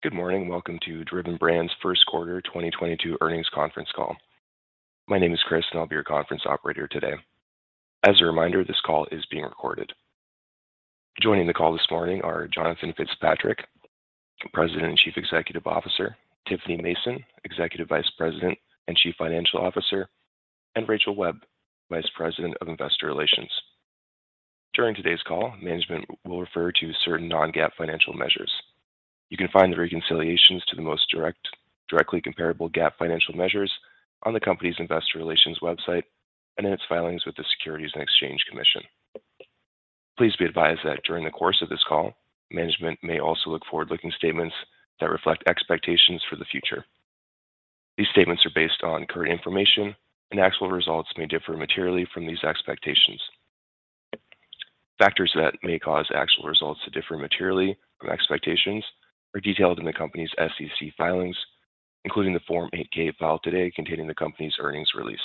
Good morning. Welcome to Driven Brands First Quarter 2022 earnings conference call. My name is Chris, and I'll be your conference operator today. As a reminder, this call is being recorded. Joining the call this morning are Jonathan Fitzpatrick, President and Chief Executive Officer, Tiffany Mason, Executive Vice President and Chief Financial Officer, and Rachel Webb, Vice President of Investor Relations. During today's call, management will refer to certain non-GAAP financial measures. You can find the reconciliations to the most directly comparable GAAP financial measures on the company's investor relations website and in its filings with the Securities and Exchange Commission. Please be advised that during the course of this call, management may also make forward-looking statements that reflect expectations for the future. These statements are based on current information, and actual results may differ materially from these expectations. Factors that may cause actual results to differ materially from expectations are detailed in the company's SEC filings, including the Form 8-K filed today containing the company's earnings release.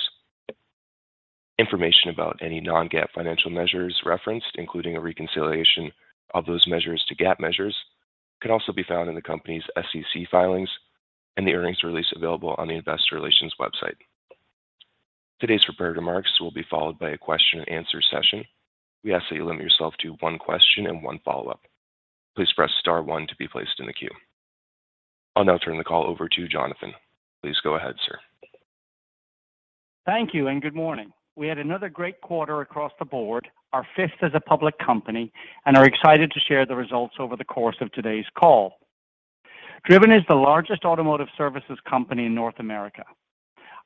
Information about any non-GAAP financial measures referenced, including a reconciliation of those measures to GAAP measures, can also be found in the company's SEC filings and the earnings release available on the Investor Relations website. Today's prepared remarks will be followed by Q&A session. We ask that you limit yourself to one question and one follow-up. Please press star one to be placed in the queue. I'll now turn the call over to Jonathan. Please go ahead, sir. Thank you and good morning. We had another great quarter across the board, our fifth as a public company, and are excited to share the results over the course of today's call. Driven is the largest automotive services company in North America.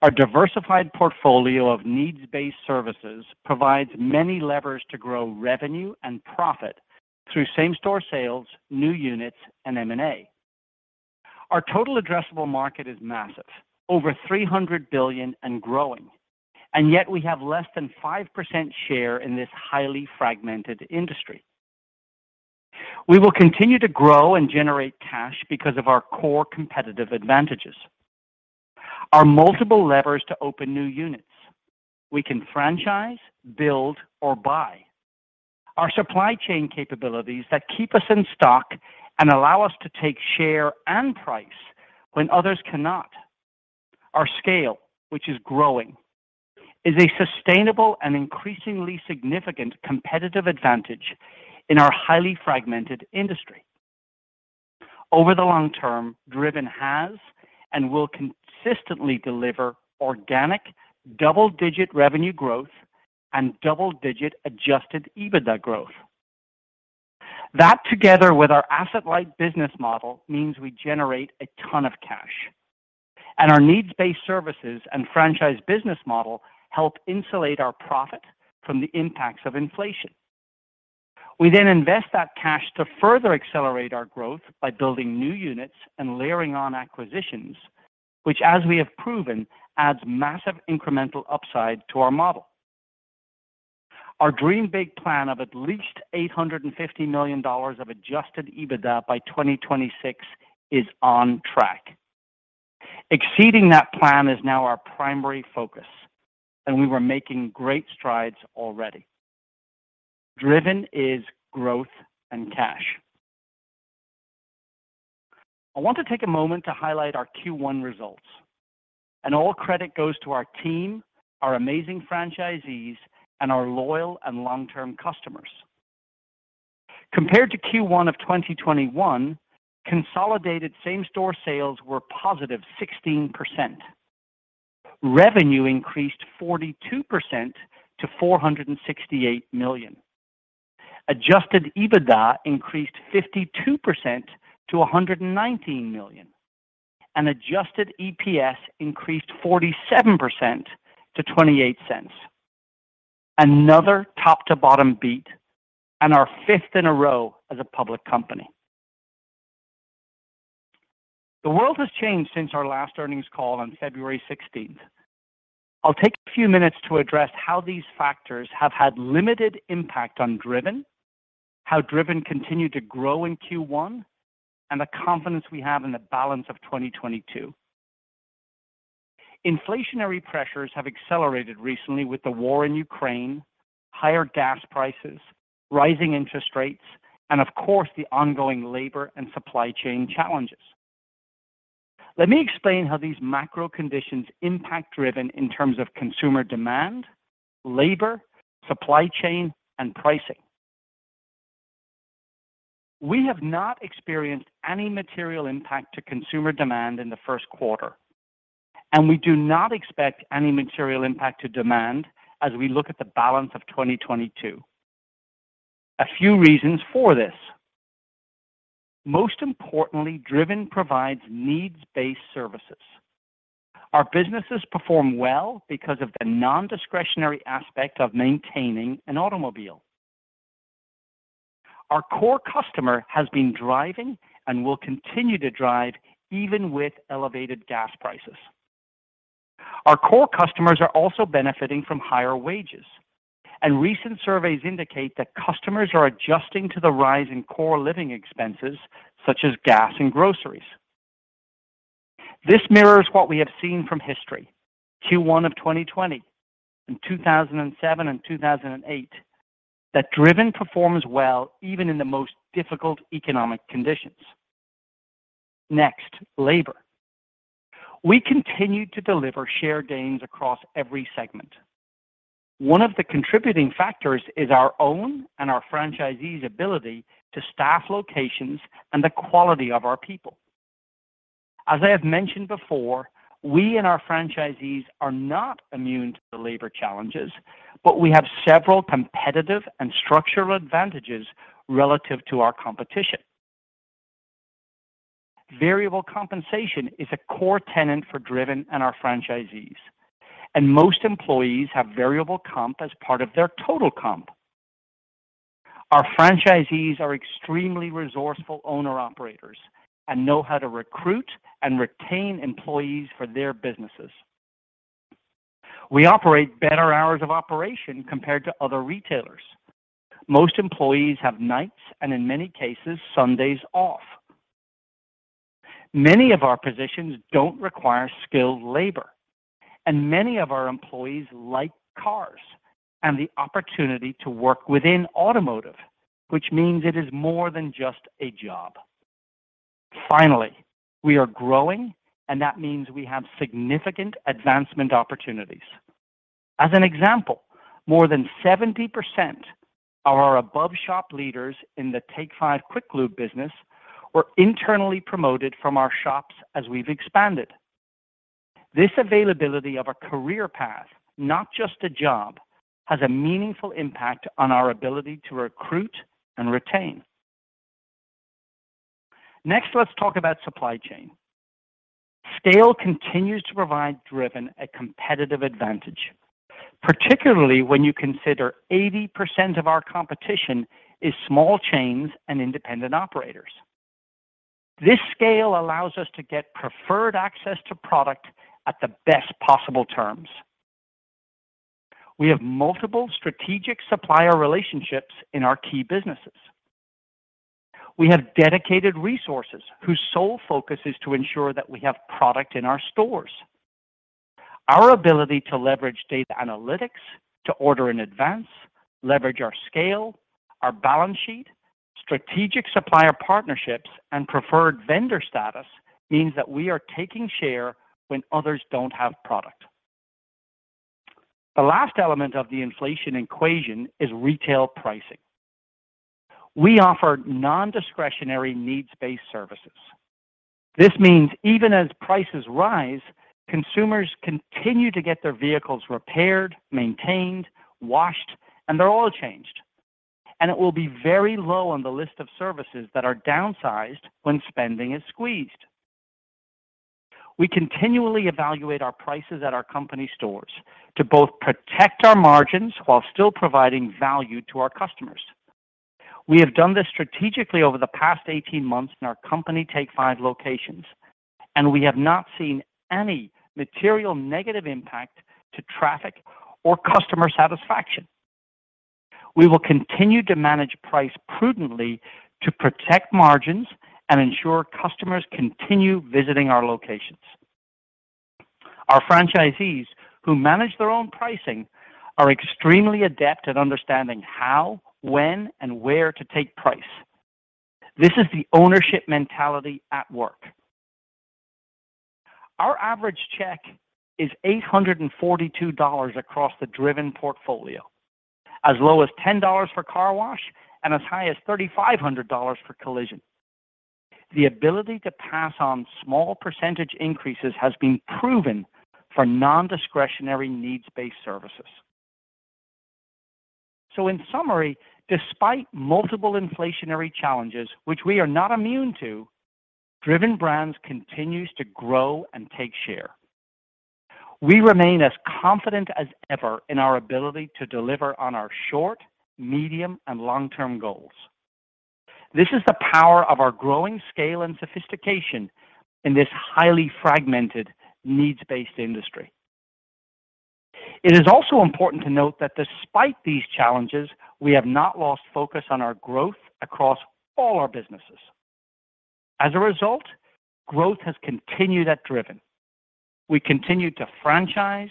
Our diversified portfolio of needs-based services provides many levers to grow revenue and profit through same-store sales, new units, and M&A. Our total addressable market is massive, over $300 billion and growing, and yet we have less than 5% share in this highly fragmented industry. We will continue to grow and generate cash because of our core competitive advantages. Our multiple levers to open new units. We can franchise, build, or buy. Our supply chain capabilities that keep us in stock and allow us to take share and price when others cannot. Our scale, which is growing, is a sustainable and increasingly significant competitive advantage in our highly fragmented industry. Over the long term, Driven has and will consistently deliver organic double-digit revenue growth and double-digit adjusted EBITDA growth. That together with our asset-light business model means we generate a ton of cash. Our needs-based services and franchise business model help insulate our profit from the impacts of inflation. We then invest that cash to further accelerate our growth by building new units and layering on acquisitions, which as we have proven, adds massive incremental upside to our model. Our Dream Big Plan of at least $850 million of adjusted EBITDA by 2026 is on track. Exceeding that plan is now our primary focus, and we were making great strides already. Driven is growth and cash. I want to take a moment to highlight our Q1 results, and all credit goes to our team, our amazing franchisees, and our loyal and long-term customers. Compared to Q1 of 2021, consolidated same-store sales were positive 16%. Revenue increased 42% to $468 million. Adjusted EBITDA increased 52% to $119 million, and adjusted EPS increased 47% to $0.28. Another top to bottom beat and our 5th in a row as a public company. The world has changed since our last earnings call on February 16. I'll take a few minutes to address how these factors have had limited impact on Driven, how Driven continued to grow in Q1, and the confidence we have in the balance of 2022. Inflationary pressures have accelerated recently with the war in Ukraine, higher gas prices, rising interest rates, and of course, the ongoing labor and supply chain challenges. Let me explain how these macro conditions impact Driven in terms of consumer demand, labor, supply chain, and pricing. We have not experienced any material impact to consumer demand in the first quarter, and we do not expect any material impact to demand as we look at the balance of 2022. A few reasons for this. Most importantly, Driven provides needs-based services. Our businesses perform well because of the non-discretionary aspect of maintaining an automobile. Our core customer has been driving and will continue to drive even with elevated gas prices. Our core customers are also benefiting from higher wages, and recent surveys indicate that customers are adjusting to the rise in core living expenses such as gas and groceries. This mirrors what we have seen from history, Q1 of 2020 and 2007 and 2008, that Driven performs well even in the most difficult economic conditions. Next, labor. We continue to deliver share gains across every segment. One of the contributing factors is our own and our franchisees ability to staff locations and the quality of our people. As I have mentioned before, we and our franchisees are not immune to the labor challenges, but we have several competitive and structural advantages relative to our competition. Variable compensation is a core tenet for Driven and our franchisees, and most employees have variable comp as part of their total comp. Our franchisees are extremely resourceful owner-operators and know how to recruit and retain employees for their businesses. We operate better hours of operation compared to other retailers. Most employees have nights, and in many cases, Sundays off. Many of our positions don't require skilled labor, and many of our employees like cars and the opportunity to work within automotive, which means it is more than just a job. Finally, we are growing, and that means we have significant advancement opportunities. As an example, more than 70% of our above-shop leaders in the Take 5 Quick Lube business were internally promoted from our shops as we've expanded. This availability of a career path, not just a job, has a meaningful impact on our ability to recruit and retain. Next, let's talk about supply chain. Scale continues to provide Driven a competitive advantage, particularly when you consider 80% of our competition is small chains and independent operators. This scale allows us to get preferred access to product at the best possible terms. We have multiple strategic supplier relationships in our key businesses. We have dedicated resources whose sole focus is to ensure that we have product in our stores. Our ability to leverage data analytics to order in advance, leverage our scale, our balance sheet, strategic supplier partnerships, and preferred vendor status means that we are taking share when others don't have product. The last element of the inflation equation is retail pricing. We offer non-discretionary needs-based services. This means even as prices rise, consumers continue to get their vehicles repaired, maintained, washed, and their oil changed, and it will be very low on the list of services that are downsized when spending is squeezed. We continually evaluate our prices at our company stores to both protect our margins while still providing value to our customers. We have done this strategically over the past 18 months in our company Take 5 locations, and we have not seen any material negative impact to traffic or customer satisfaction. We will continue to manage price prudently to protect margins and ensure customers continue visiting our locations. Our franchisees who manage their own pricing are extremely adept at understanding how, when, and where to take price. This is the ownership mentality at work. Our average check is $842 across the Driven portfolio, as low as $10 for Car Wash and as high as $3,500 for collision. The ability to pass on small percentage increases has been proven for non-discretionary needs-based services. In summary, despite multiple inflationary challenges, which we are not immune to, Driven Brands continues to grow and take share. We remain as confident as ever in our ability to deliver on our short, medium, and long-term goals. This is the power of our growing scale and sophistication in this highly fragmented needs-based industry. It is also important to note that despite these challenges, we have not lost focus on our growth across all our businesses. As a result, growth has continued at Driven. We continue to franchise,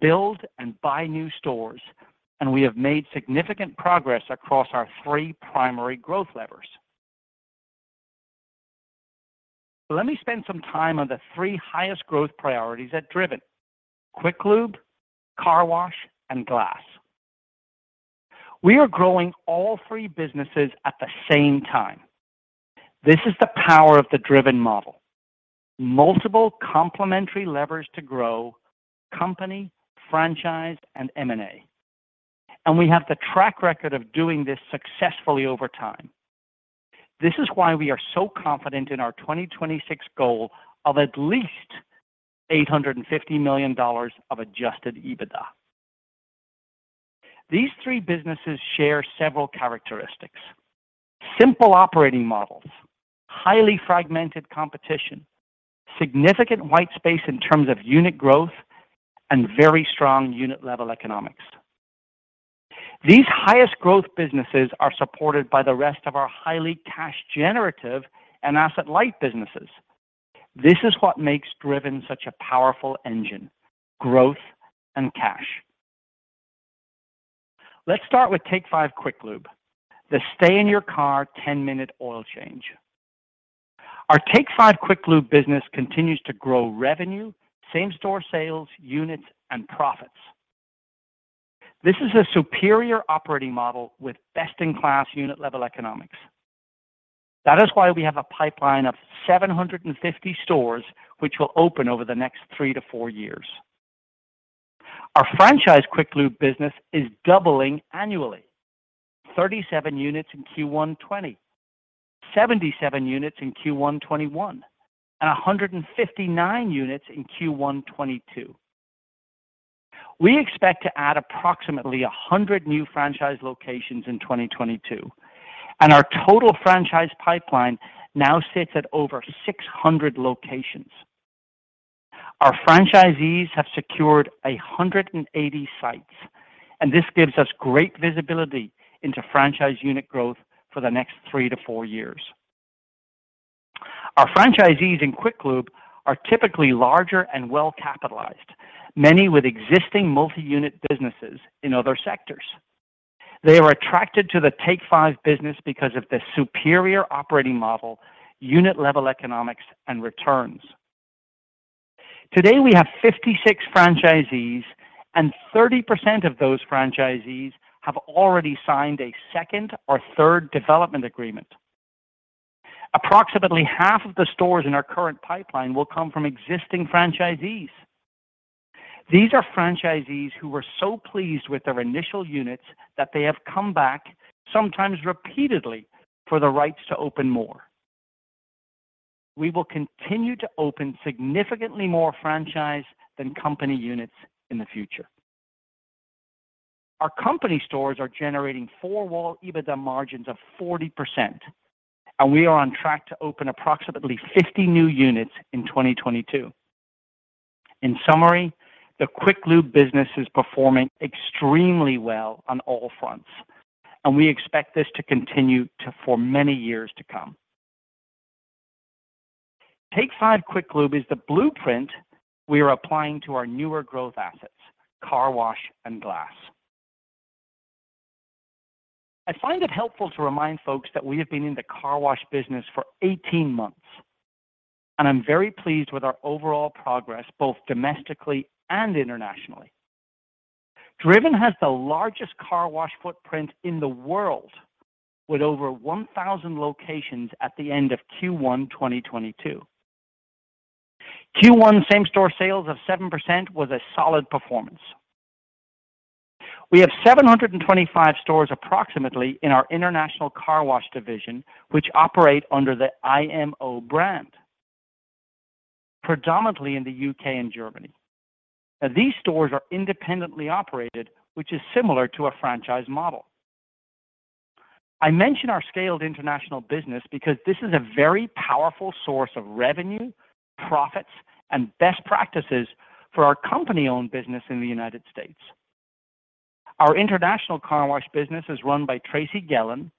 build, and buy new stores, and we have made significant progress across our three primary growth levers. Let me spend some time on the three highest growth priorities at Driven: Quick Lube, Car Wash, and Glass. We are growing all three businesses at the same time. This is the power of the Driven model. Multiple complementary levers to grow company, franchise, and M&A. We have the track record of doing this successfully over time. This is why we are so confident in our 2026 goal of at least $850 million of adjusted EBITDA. These three businesses share several characteristics: simple operating models, highly fragmented competition, significant white space in terms of unit growth, and very strong unit-level economics. These highest growth businesses are supported by the rest of our highly cash generative and asset-light businesses. This is what makes Driven such a powerful engine, growth and cash. Let's start with Take 5 Quick Lube, the stay in your car 10-minute oil change. Our Take 5 Quick Lube business continues to grow revenue, same-store sales, units, and profits. This is a superior operating model with best-in-class unit-level economics. That is why we have a pipeline of 750 stores which will open over the next three years to four years. Our franchise Quick Lube business is doubling annually, 37 units in Q1 2020, 77 units in Q1 2021, and 159 units in Q1 2022. We expect to add approximately 100 new franchise locations in 2022, and our total franchise pipeline now sits at over 600 locations. Our franchisees have secured 180 sites, and this gives us great visibility into franchise unit growth for the next three years to four years. Our franchisees in Quick Lube are typically larger and well-capitalized, many with existing multi-unit businesses in other sectors. They are attracted to the Take 5 business because of the superior operating model, unit-level economics, and returns. Today, we have 56 franchisees, and 30% of those franchisees have already signed a second or third development agreement. Approximately half of the stores in our current pipeline will come from existing franchisees. These are franchisees who were so pleased with their initial units that they have come back, sometimes repeatedly, for the rights to open more. We will continue to open significantly more franchise than company units in the future. Our company stores are generating four-wall EBITDA margins of 40%, and we are on track to open approximately 50 new units in 2022. In summary, the Quick Lube business is performing extremely well on all fronts, and we expect this to continue for many years to come. Take 5 Quick Lube is the blueprint we are applying to our newer growth assets, Car Wash and Glass. I find it helpful to remind folks that we have been in the car wash business for 18 months, and I'm very pleased with our overall progress, both domestically and internationally. Driven Brands has the largest car wash footprint in the world with over 1,000 locations at the end of Q1 2022. Q1 same-store sales of 7% was a solid performance. We have 725 stores approximately in our International Car Wash division, which operate under the IMO brand, predominantly in the U.K. and Germany. These stores are independently operated, which is similar to a franchise model. I mention our scaled international business because this is a very powerful source of revenue, profits, and best practices for our company-owned business in the United States. Our International Car Wash business is run by Tracy Gehlan,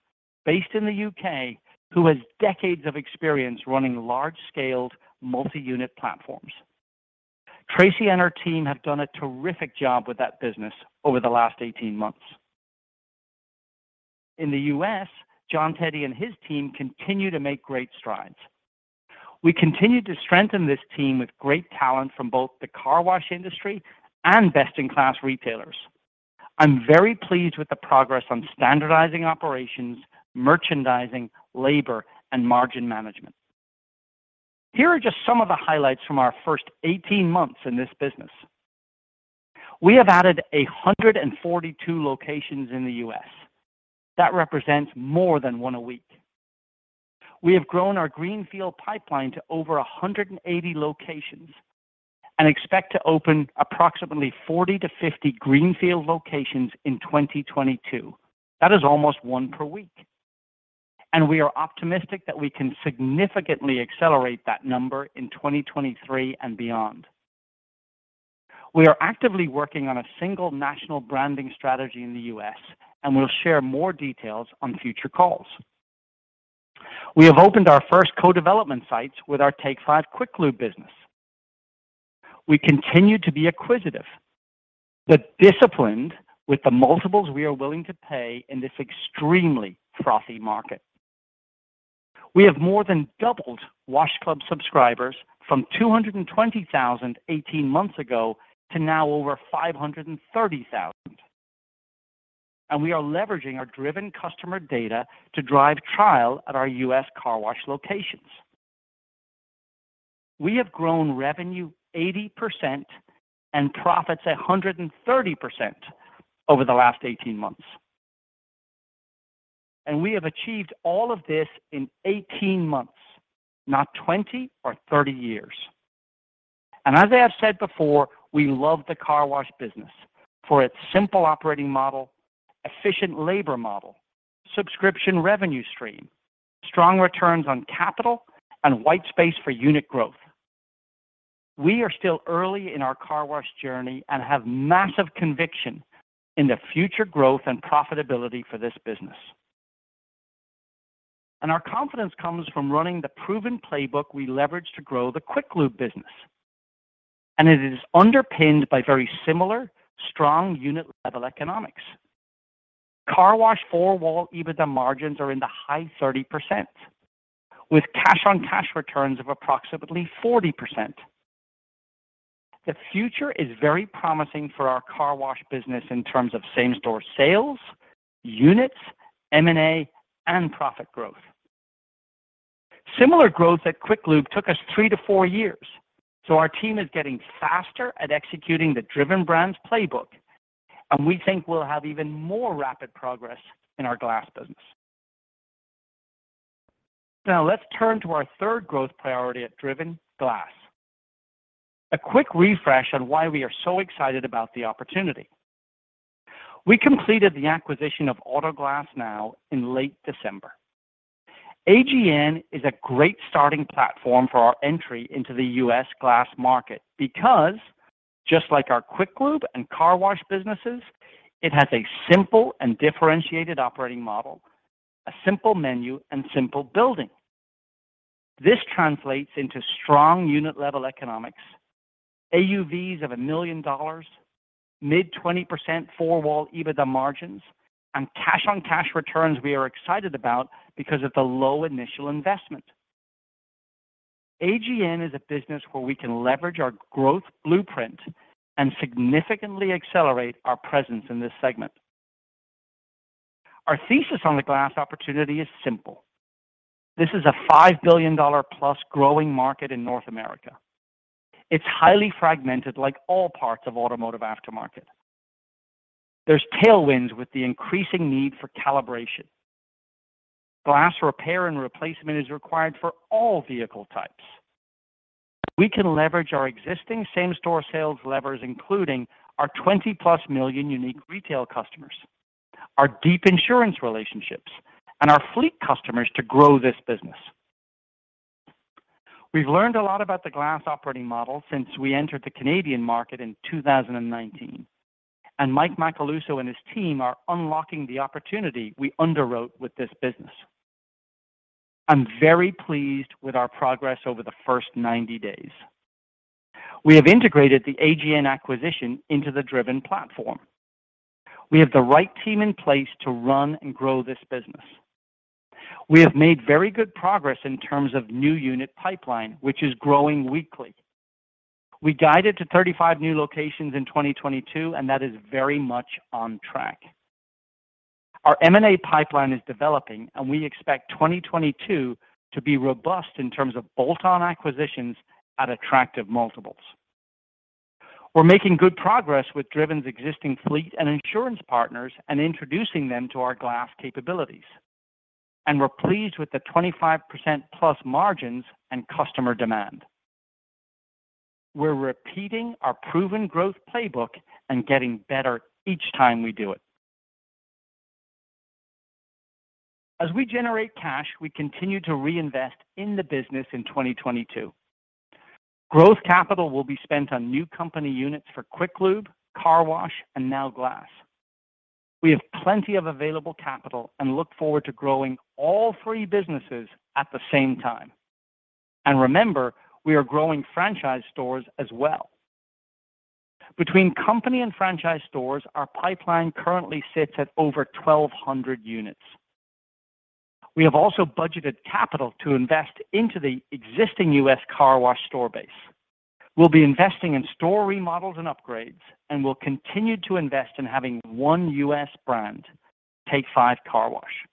based in the U.K., who has decades of experience running large-scaled multi-unit platforms. Tracy and her team have done a terrific job with that business over the last 18 months. In the U.S., John Teddy and his team continue to make great strides. We continue to strengthen this team with great talent from both the car wash industry and best-in-class retailers. I'm very pleased with the progress on standardizing operations, merchandising, labor, and margin management. Here are just some of the highlights from our first 18 months in this business. We have added 142 locations in the U.S. That represents more than one a week. We have grown our greenfield pipeline to over 180 locations and expect to open approximately 40-50 greenfield locations in 2022. That is almost one per week, and we are optimistic that we can significantly accelerate that number in 2023 and beyond. We are actively working on a single national branding strategy in the U.S., and we'll share more details on future calls. We have opened our first co-development sites with our Take 5 Quick Lube business. We continue to be acquisitive but disciplined with the multiples we are willing to pay in this extremely frothy market. We have more than doubled wash club subscribers from 220,000 18 months ago to now over 530,000, and we are leveraging our Driven customer data to drive trial at our U.S. Car Wash locations. We have grown revenue 80% and profits 130% over the last 18 months, and we have achieved all of this in 18 months, not 20 or 30 years. As I have said before, we love the car wash business for its simple operating model, efficient labor model, subscription revenue stream, strong returns on capital, and white space for unit growth. We are still early in our car wash journey and have massive conviction in the future growth and profitability for this business. Our confidence comes from running the proven playbook we leveraged to grow the Quick Lube business, and it is underpinned by very similar strong unit level economics. Car Wash four-wall EBITDA margins are in the high 30% with cash-on-cash returns of approximately 40%. The future is very promising for our car wash business in terms of same-store sales, units, M&A, and profit growth. Similar growth at Quick Lube took us three years-four years, so our team is getting faster at executing the Driven Brands playbook, and we think we'll have even more rapid progress in our Glass business. Now let's turn to our third growth priority at Driven Glass. A quick refresh on why we are so excited about the opportunity. We completed the acquisition of Auto Glass Now in late December. AGN is a great starting platform for our entry into the U.S. Glass market because just like our Quick Lube and Car Wash businesses, it has a simple and differentiated operating model, a simple menu, and simple building. This translates into strong unit-level economics, AUVs of $1 million, mid-20% four-wall EBITDA margins, and cash-on-cash returns we are excited about because of the low initial investment. AGN is a business where we can leverage our growth blueprint and significantly accelerate our presence in this segment. Our thesis on the glass opportunity is simple. This is a $5 billion+ growing market in North America. It's highly fragmented like all parts of automotive aftermarket. There are tailwinds with the increasing need for calibration. Glass repair and replacement is required for all vehicle types. We can leverage our existing same-store sales levers, including our 20+ million unique retail customers, our deep insurance relationships, and our fleet customers to grow this business. We've learned a lot about the glass operating model since we entered the Canadian market in 2019, and Mike Macaluso and his team are unlocking the opportunity we underwrote with this business. I'm very pleased with our progress over the first 90 days. We have integrated the AGN acquisition into the Driven platform. We have the right team in place to run and grow this business. We have made very good progress in terms of new unit pipeline, which is growing weekly. We guided to 35 new locations in 2022, and that is very much on track. Our M&A pipeline is developing, and we expect 2022 to be robust in terms of bolt-on acquisitions at attractive multiples. We're making good progress with Driven's existing fleet and insurance partners and introducing them to our glass capabilities. We're pleased with the 25%+ margins and customer demand. We're repeating our proven growth playbook and getting better each time we do it. As we generate cash, we continue to reinvest in the business in 2022. Growth capital will be spent on new company units for Quick Lube, Car Wash, and now Glass. We have plenty of available capital and look forward to growing all three businesses at the same time. Remember, we are growing franchise stores as well. Between company and franchise stores, our pipeline currently sits at over 1,200 units. We have also budgeted capital to invest into the existing U.S. Car Wash store base. We'll be investing in store remodels and upgrades, and we'll continue to invest in having one U.S. brand, Take 5 Car Wash.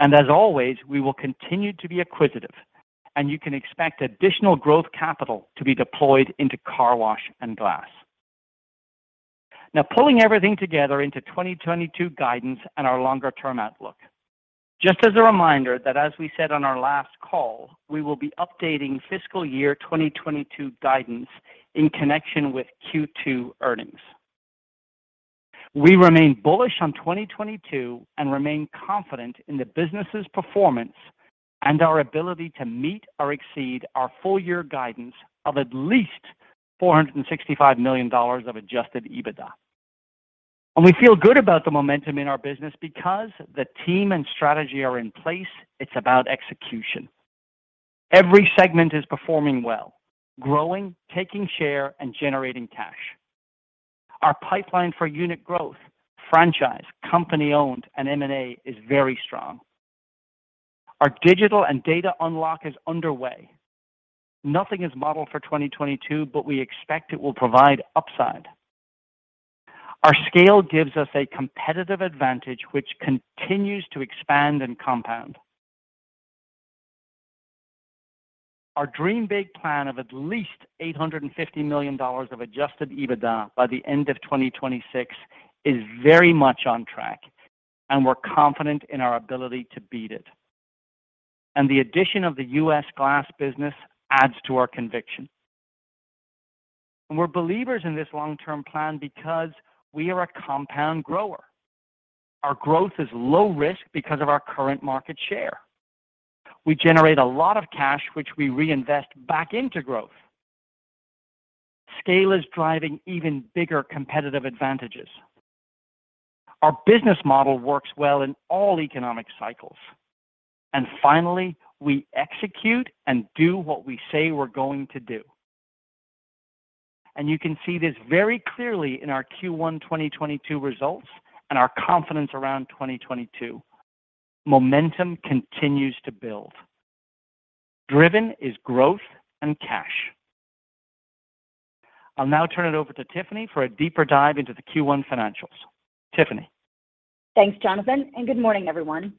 As always, we will continue to be acquisitive, and you can expect additional growth capital to be deployed into Car Wash and Glass. Now pulling everything together into 2022 guidance and our longer-term outlook. Just as a reminder that as we said on our last call, we will be updating fiscal year 2022 guidance in connection with Q2 earnings. We remain bullish on 2022 and remain confident in the business's performance and our ability to meet or exceed our full year guidance of at least $465 million of adjusted EBITDA. We feel good about the momentum in our business because the team and strategy are in place. It's about execution. Every segment is performing well, growing, taking share, and generating cash. Our pipeline for unit growth, franchise, company-owned, and M&A is very strong. Our digital and data unlock is underway. Nothing is modeled for 2022, but we expect it will provide upside. Our scale gives us a competitive advantage, which continues to expand and compound. Our Dream Big Plan of at least $850 million of adjusted EBITDA by the end of 2026 is very much on track, and we're confident in our ability to beat it. The addition of the U.S. Glass business adds to our conviction. We're believers in this long-term plan because we are a compound grower. Our growth is low risk because of our current market share. We generate a lot of cash, which we reinvest back into growth. Scale is driving even bigger competitive advantages. Our business model works well in all economic cycles. Finally, we execute and do what we say we're going to do. You can see this very clearly in our Q1 2022 results and our confidence around 2022. Momentum continues to build. Driven is growth and cash. I'll now turn it over to Tiffany for a deeper dive into the Q1 financials. Tiffany. Thanks, Jonathan, and good morning, everyone.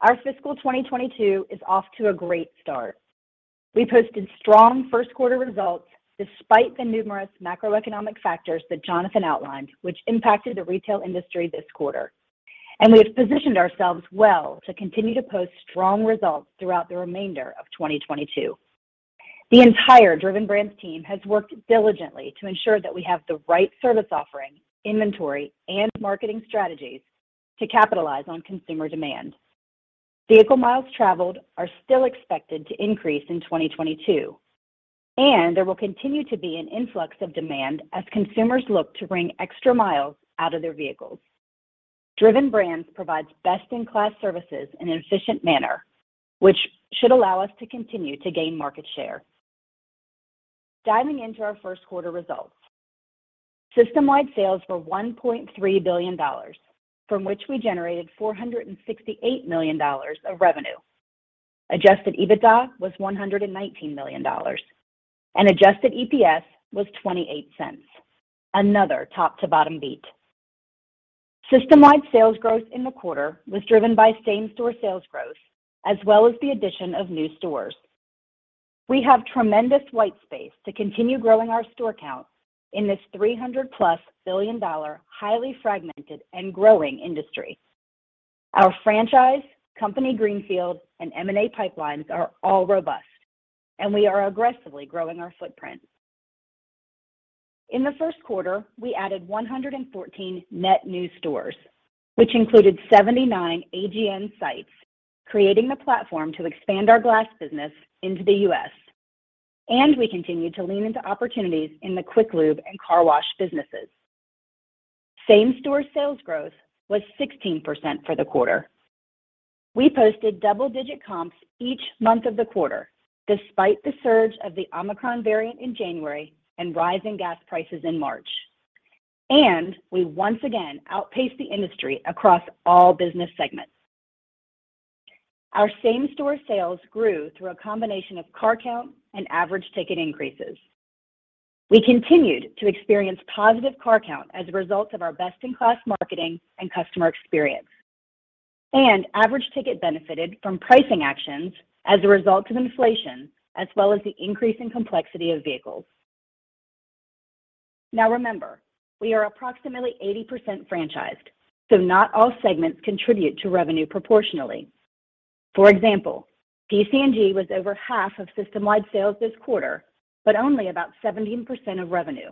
Our fiscal 2022 is off to a great start. We posted strong first quarter results despite the numerous macroeconomic factors that Jonathan outlined, which impacted the retail industry this quarter. We have positioned ourselves well to continue to post strong results throughout the remainder of 2022. The entire Driven Brands team has worked diligently to ensure that we have the right service offering, inventory, and marketing strategies to capitalize on consumer demand. Vehicle miles traveled are still expected to increase in 2022, and there will continue to be an influx of demand as consumers look to wring extra miles out of their vehicles. Driven Brands provides best-in-class services in an efficient manner, which should allow us to continue to gain market share. Diving into our first quarter results. System-wide sales were $1.3 billion, from which we generated $468 million of revenue. Adjusted EBITDA was $119 million, and adjusted EPS was $0.28. Another top to bottom beat. System-wide sales growth in the quarter was driven by same-store sales growth, as well as the addition of new stores. We have tremendous white space to continue growing our store count in this $300+ billion, highly fragmented and growing industry. Our franchise, company greenfield, and M&A pipelines are all robust, and we are aggressively growing our footprint. In the first quarter, we added 114 net new stores, which included 79 AGN sites, creating the platform to expand our Glass business into the U.S. We continued to lean into opportunities in the Quick Lube and Car Wash businesses. Same-store sales growth was 16% for the quarter. We posted double-digit comps each month of the quarter, despite the surge of the Omicron variant in January and rising gas prices in March. We once again outpaced the industry across all business segments. Our same-store sales grew through a combination of car count and average ticket increases. We continued to experience positive car count as a result of our best-in-class marketing and customer experience. Average ticket benefited from pricing actions as a result of inflation, as well as the increase in complexity of vehicles. Now remember, we are approximately 80% franchised, so not all segments contribute to revenue proportionally. For example, PC&G was over half of system-wide sales this quarter, but only about 17% of revenue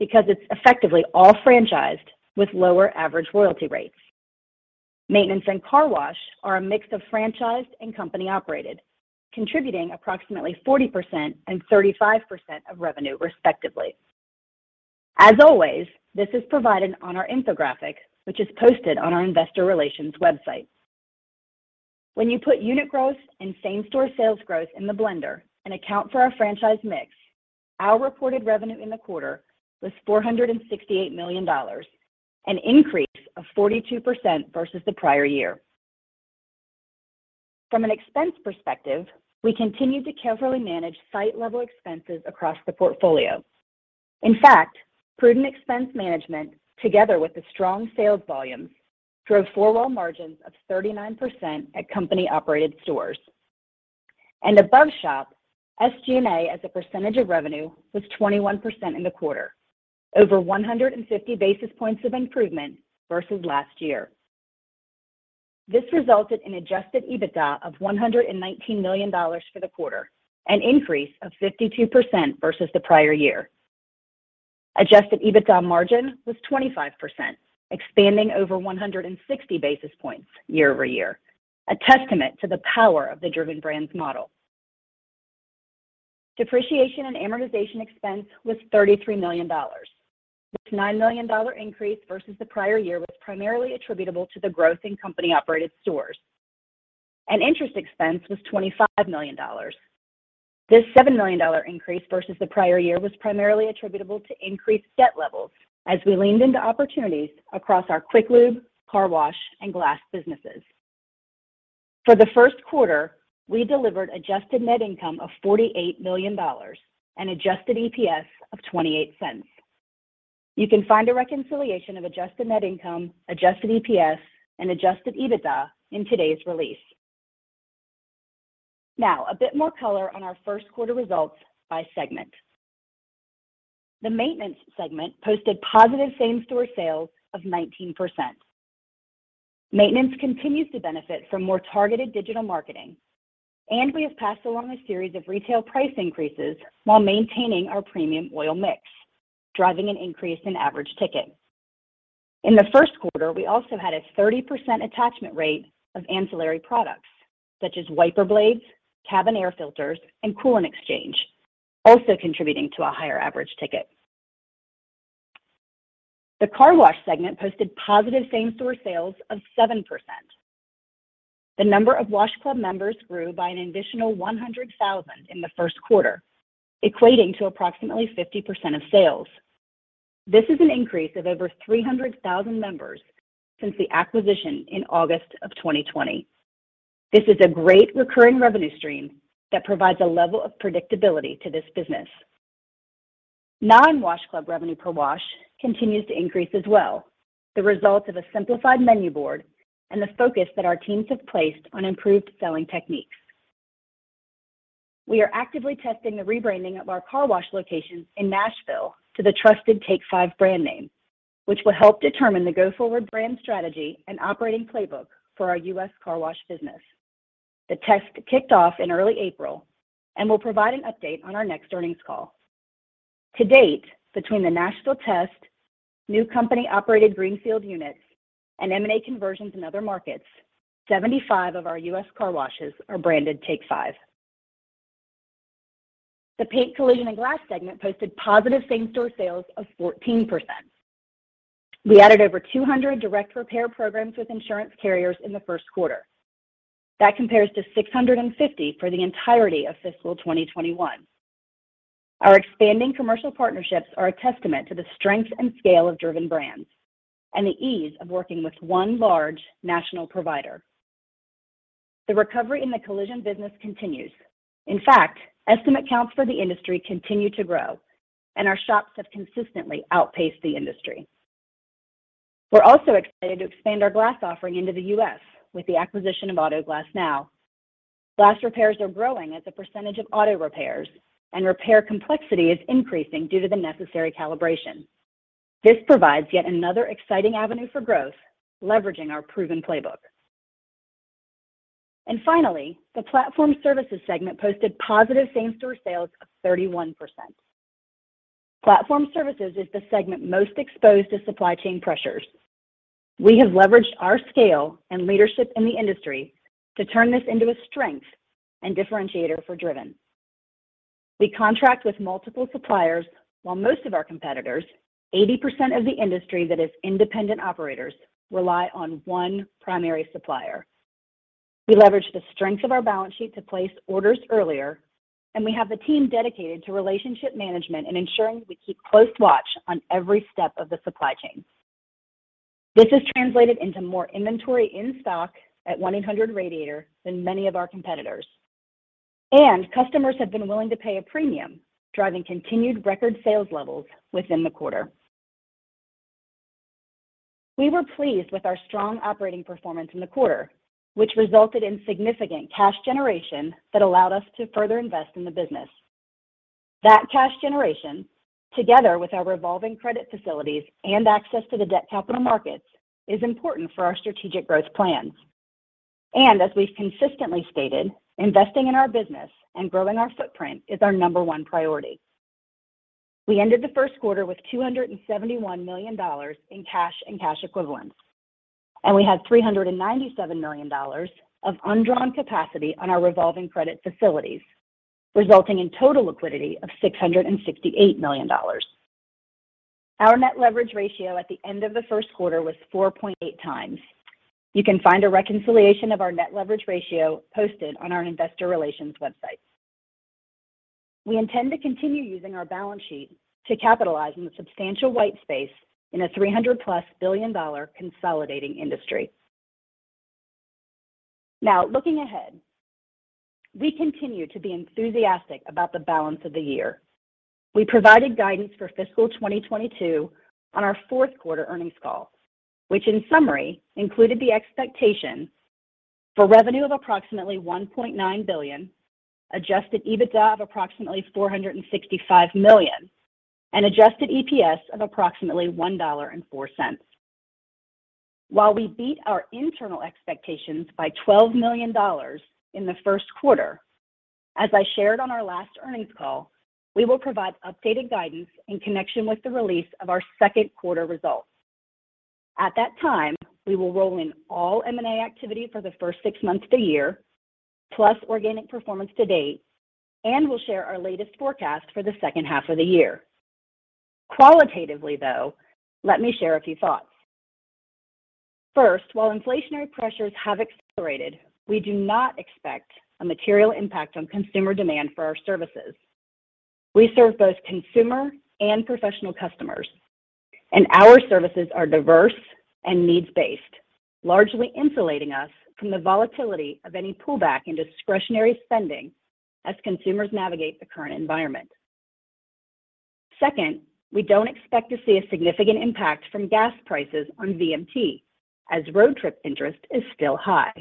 because it's effectively all franchised with lower average royalty rates. Maintenance and Car Wash are a mix of franchised and company-operated, contributing approximately 40% and 35% of revenue, respectively. As always, this is provided on our infographic, which is posted on our investor relations website. When you put unit growth and same-store sales growth in the blender and account for our franchise mix, our reported revenue in the quarter was $468 million, an increase of 42% versus the prior year. From an expense perspective, we continued to carefully manage site-level expenses across the portfolio. In fact, prudent expense management together with the strong sales volumes drove four-wall margins of 39% at company-operated stores. Above shop, SG&A as a percentage of revenue was 21% in the quarter, over 150 basis points of improvement versus last year. This resulted in adjusted EBITDA of $119 million for the quarter, an increase of 52% versus the prior year. Adjusted EBITDA margin was 25%, expanding over 160 basis points year-over-year, a testament to the power of the Driven Brands model. Depreciation and amortization expense was $33 million. This $9 million increase versus the prior year was primarily attributable to the growth in company-operated stores. Interest expense was $25 million. This $7 million increase versus the prior year was primarily attributable to increased debt levels as we leaned into opportunities across our Quick Lube, Car Wash, and Glass businesses. For the first quarter, we delivered adjusted net income of $48 million and adjusted EPS of $0.28. You can find a reconciliation of adjusted net income, adjusted EPS, and adjusted EBITDA in today's release. Now, a bit more color on our first quarter results by segment. The Maintenance segment posted positive same-store sales of 19%. Maintenance continues to benefit from more targeted digital marketing, and we have passed along a series of retail price increases while maintaining our premium oil mix, driving an increase in average ticket. In the first quarter, we also had a 30% attachment rate of ancillary products, such as wiper blades, cabin air filters, and coolant exchange, also contributing to a higher average ticket. The Car Wash segment posted positive same-store sales of 7%. The number of wash club members grew by an additional 100,000 in the first quarter, equating to approximately 50% of sales. This is an increase of over 300,000 members since the acquisition in August of 2020. This is a great recurring revenue stream that provides a level of predictability to this business. Non-wash club revenue per wash continues to increase as well, the result of a simplified menu board and the focus that our teams have placed on improved selling techniques. We are actively testing the rebranding of our car wash locations in Nashville to the trusted Take 5 brand name, which will help determine the go-forward brand strategy and operating playbook for our U.S. Car Wash business. The test kicked off in early April, and we'll provide an update on our next earnings call. To date, between the Nashville test, new company-operated greenfield units, and M&A conversions in other markets, 75 of our U.S. car washes are branded Take 5. The Paint, Collision, and Glass segment posted positive same-store sales of 14%. We added over 200 direct repair programs with insurance carriers in the first quarter. That compares to 650 for the entirety of fiscal 2021. Our expanding commercial partnerships are a testament to the strength and scale of Driven Brands and the ease of working with one large national provider. The recovery in the collision business continues. In fact, estimate counts for the industry continue to grow, and our shops have consistently outpaced the industry. We're also excited to expand our glass offering into the U.S. with the acquisition of Auto Glass Now. Glass repairs are growing as a percentage of auto repairs, and repair complexity is increasing due to the necessary calibration. This provides yet another exciting avenue for growth, leveraging our proven playbook. Finally, the platform services segment posted positive same-store sales of 31%. Platform services is the segment most exposed to supply chain pressures. We have leveraged our scale and leadership in the industry to turn this into a strength and differentiator for Driven. We contract with multiple suppliers, while most of our competitors, 80% of the industry that is independent operators, rely on one primary supplier. We leverage the strength of our balance sheet to place orders earlier, and we have the team dedicated to relationship management and ensuring we keep close watch on every step of the supply chain. This has translated into more inventory in stock at 1-800 Radiator than many of our competitors. Customers have been willing to pay a premium, driving continued record sales levels within the quarter. We were pleased with our strong operating performance in the quarter, which resulted in significant cash generation that allowed us to further invest in the business. That cash generation, together with our revolving credit facilities and access to the debt capital markets, is important for our strategic growth plans. As we've consistently stated, investing in our business and growing our footprint is our number one priority. We ended the first quarter with $271 million in cash and cash equivalents, and we had $397 million of undrawn capacity on our revolving credit facilities, resulting in total liquidity of $668 million. Our net leverage ratio at the end of the first quarter was 4.8x. You can find a reconciliation of our net leverage ratio posted on our investor relations website. We intend to continue using our balance sheet to capitalize on the substantial white space in a 300+ billion-dollar consolidating industry. Now, looking ahead, we continue to be enthusiastic about the balance of the year. We provided guidance for fiscal 2022 on our fourth quarter earnings call, which in summary included the expectation for revenue of approximately $1.9 billion, adjusted EBITDA of approximately $465 million, and adjusted EPS of approximately $1.04. While we beat our internal expectations by $12 million in the first quarter, as I shared on our last earnings call, we will provide updated guidance in connection with the release of our second quarter results. At that time, we will roll in all M&A activity for the first six months of the year, plus organic performance to date, and we'll share our latest forecast for the second half of the year. Qualitatively, though, let me share a few thoughts. First, while inflationary pressures have accelerated, we do not expect a material impact on consumer demand for our services. We serve both consumer and professional customers, and our services are diverse and needs-based, largely insulating us from the volatility of any pullback in discretionary spending as consumers navigate the current environment. Second, we don't expect to see a significant impact from gas prices on VMT as road trip interest is still high.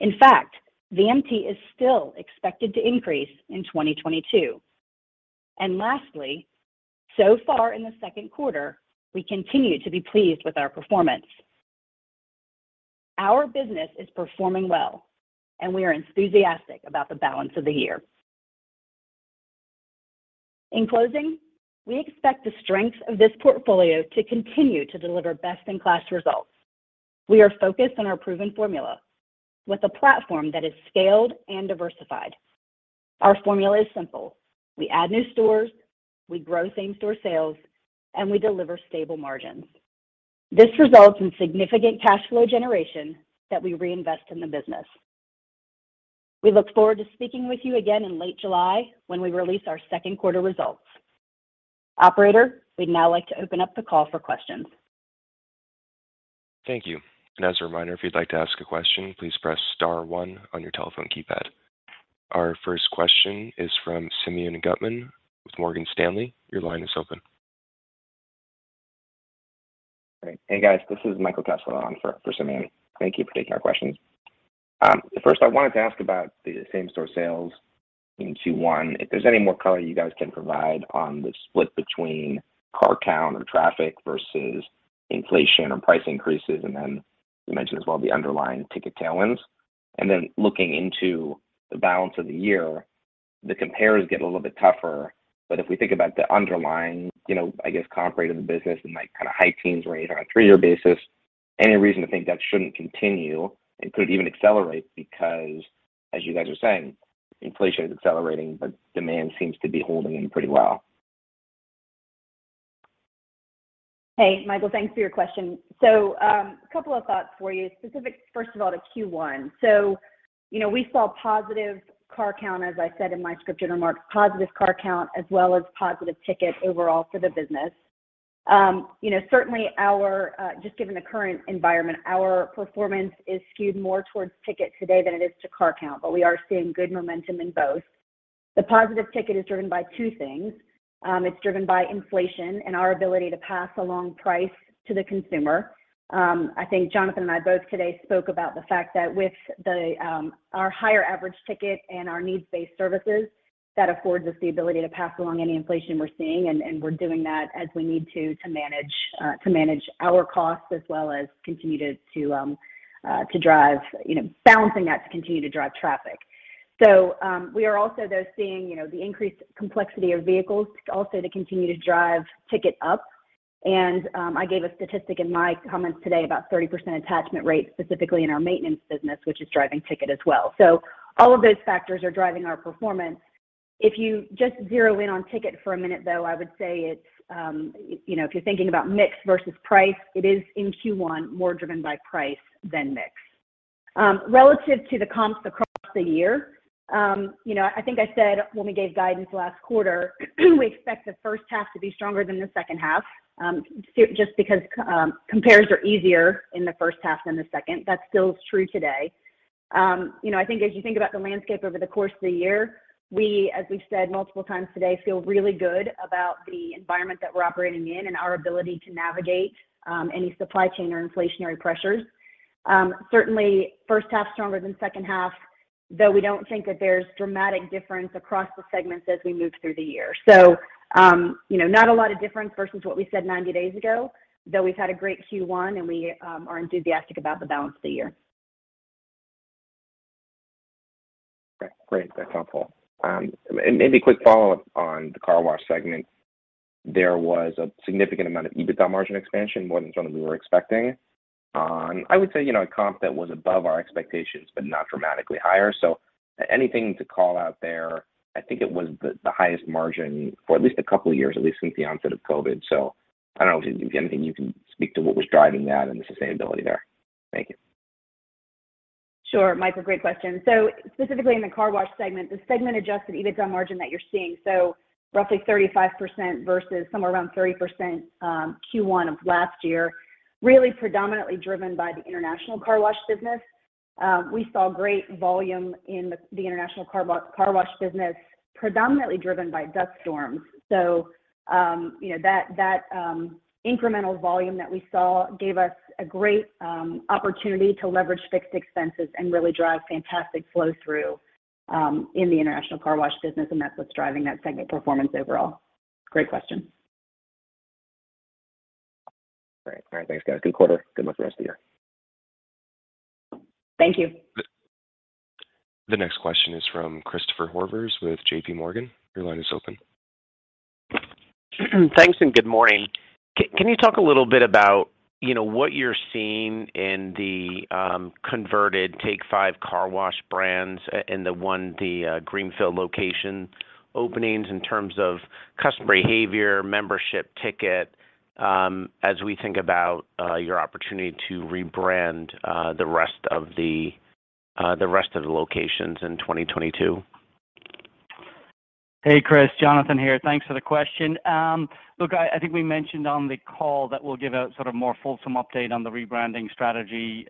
In fact, VMT is still expected to increase in 2022. Lastly, so far in the second quarter, we continue to be pleased with our performance. Our business is performing well, and we are enthusiastic about the balance of the year. In closing, we expect the strength of this portfolio to continue to deliver best-in-class results. We are focused on our proven formula with a platform that is scaled and diversified. Our formula is simple: We add new stores, we grow same-store sales, and we deliver stable margins. This results in significant cash flow generation that we reinvest in the business. We look forward to speaking with you again in late July when we release our second quarter results. Operator, we'd now like to open up the call for questions. Thank you. As a reminder, if you'd like to ask a question, please press star one on your telephone keypad. Our first question is from Simeon Gutman with Morgan Stanley. Your line is open. All right. Hey, guys. This is Michael Kessler on for Simeon. Thank you for taking our questions. First I wanted to ask about the same-store sales in Q1, if there's any more color you guys can provide on the split between car count or traffic versus inflation or price increases, and then you mentioned as well the underlying ticket tailwinds. Looking into the balance of the year, the compares get a little bit tougher, but if we think about the underlying, you know, I guess, comp rate of the business and, like, kinda high teens rate on a three-year basis, any reason to think that shouldn't continue and could even accelerate because, as you guys are saying, inflation is accelerating, but demand seems to be holding in pretty well. Hey, Michael. Thanks for your question. A couple of thoughts for you, specific first of all to Q1. You know, we saw positive car count, as I said in my scripted remarks, positive car count as well as positive ticket overall for the business. You know, certainly our, just given the current environment, our performance is skewed more towards ticket today than it is to car count, but we are seeing good momentum in both. The positive ticket is driven by two things. It's driven by inflation and our ability to pass along price to the consumer. I think Jonathan and I both today spoke about the fact that with our higher average ticket and our needs-based services, that affords us the ability to pass along any inflation we're seeing, and we're doing that as we need to manage our costs as well as continue to drive, you know, balancing that to continue to drive traffic. We are also though seeing, you know, the increased complexity of vehicles also to continue to drive ticket up. I gave a statistic in my comments today about 30% attachment rate specifically in our Maintenance business, which is driving ticket as well. All of those factors are driving our performance. If you just zero in on ticket for a minute, though, I would say it's, you know, if you're thinking about mix versus price, it is in Q1 more driven by price than mix. Relative to the comps across the year, you know, I think I said when we gave guidance last quarter, we expect the first half to be stronger than the second half, just because compares are easier in the first half than the second. That still is true today. You know, I think as you think about the landscape over the course of the year, we, as we've said multiple times today, feel really good about the environment that we're operating in and our ability to navigate any supply chain or inflationary pressures. Certainly first half stronger than second half, though we don't think that there's dramatic difference across the segments as we move through the year. You know, not a lot of difference versus what we said 90 days ago, though we've had a great Q1 and we are enthusiastic about the balance of the year. Okay. Great. That's helpful. And maybe a quick follow-up on the Car Wash segment. There was a significant amount of EBITDA margin expansion, more than sort of we were expecting on I would say, you know, a comp that was above our expectations, but not dramatically higher. Anything to call out there? I think it was the highest margin for at least a couple of years, at least since the onset of COVID. I don't know if anything you can speak to what was driving that and the sustainability there. Thank you. Sure, Michael. Great question. Specifically in the Car Wash segment, the segment-adjusted EBITDA margin that you're seeing, so roughly 35% versus somewhere around 30%, Q1 of last year, really predominantly driven by the International Car Wash business. We saw great volume in the International Car Wash business, predominantly driven by dust storms. You know, that incremental volume that we saw gave us a great opportunity to leverage fixed expenses and really drive fantastic flow through in the International Car Wash business, and that's what's driving that segment performance overall. Great question. Great. All right. Thanks, guys. Good quarter. Good luck the rest of the year. Thank you. The next question is from Christopher Horvers with JPMorgan. Your line is open. Thanks. Good morning. Can you talk a little bit about, you know, what you're seeing in the converted Take 5 Car Wash brands and the one greenfield location openings in terms of customer behavior, membership ticket, as we think about your opportunity to rebrand the rest of the locations in 2022? Hey, Chris. Jonathan here. Thanks for the question. Look, I think we mentioned on the call that we'll give a sort of more fulsome update on the rebranding strategy,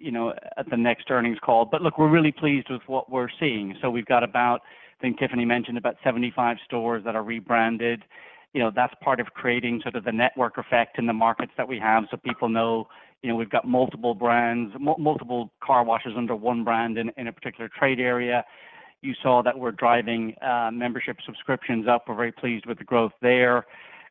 you know, at the next earnings call. Look, we're really pleased with what we're seeing. We've got about, I think Tiffany mentioned, about 75 stores that are rebranded. You know, that's part of creating sort of the network effect in the markets that we have, so people know, you know, we've got multiple brands, multiple car washes under one brand in a particular trade area. You saw that we're driving membership subscriptions up. We're very pleased with the growth there.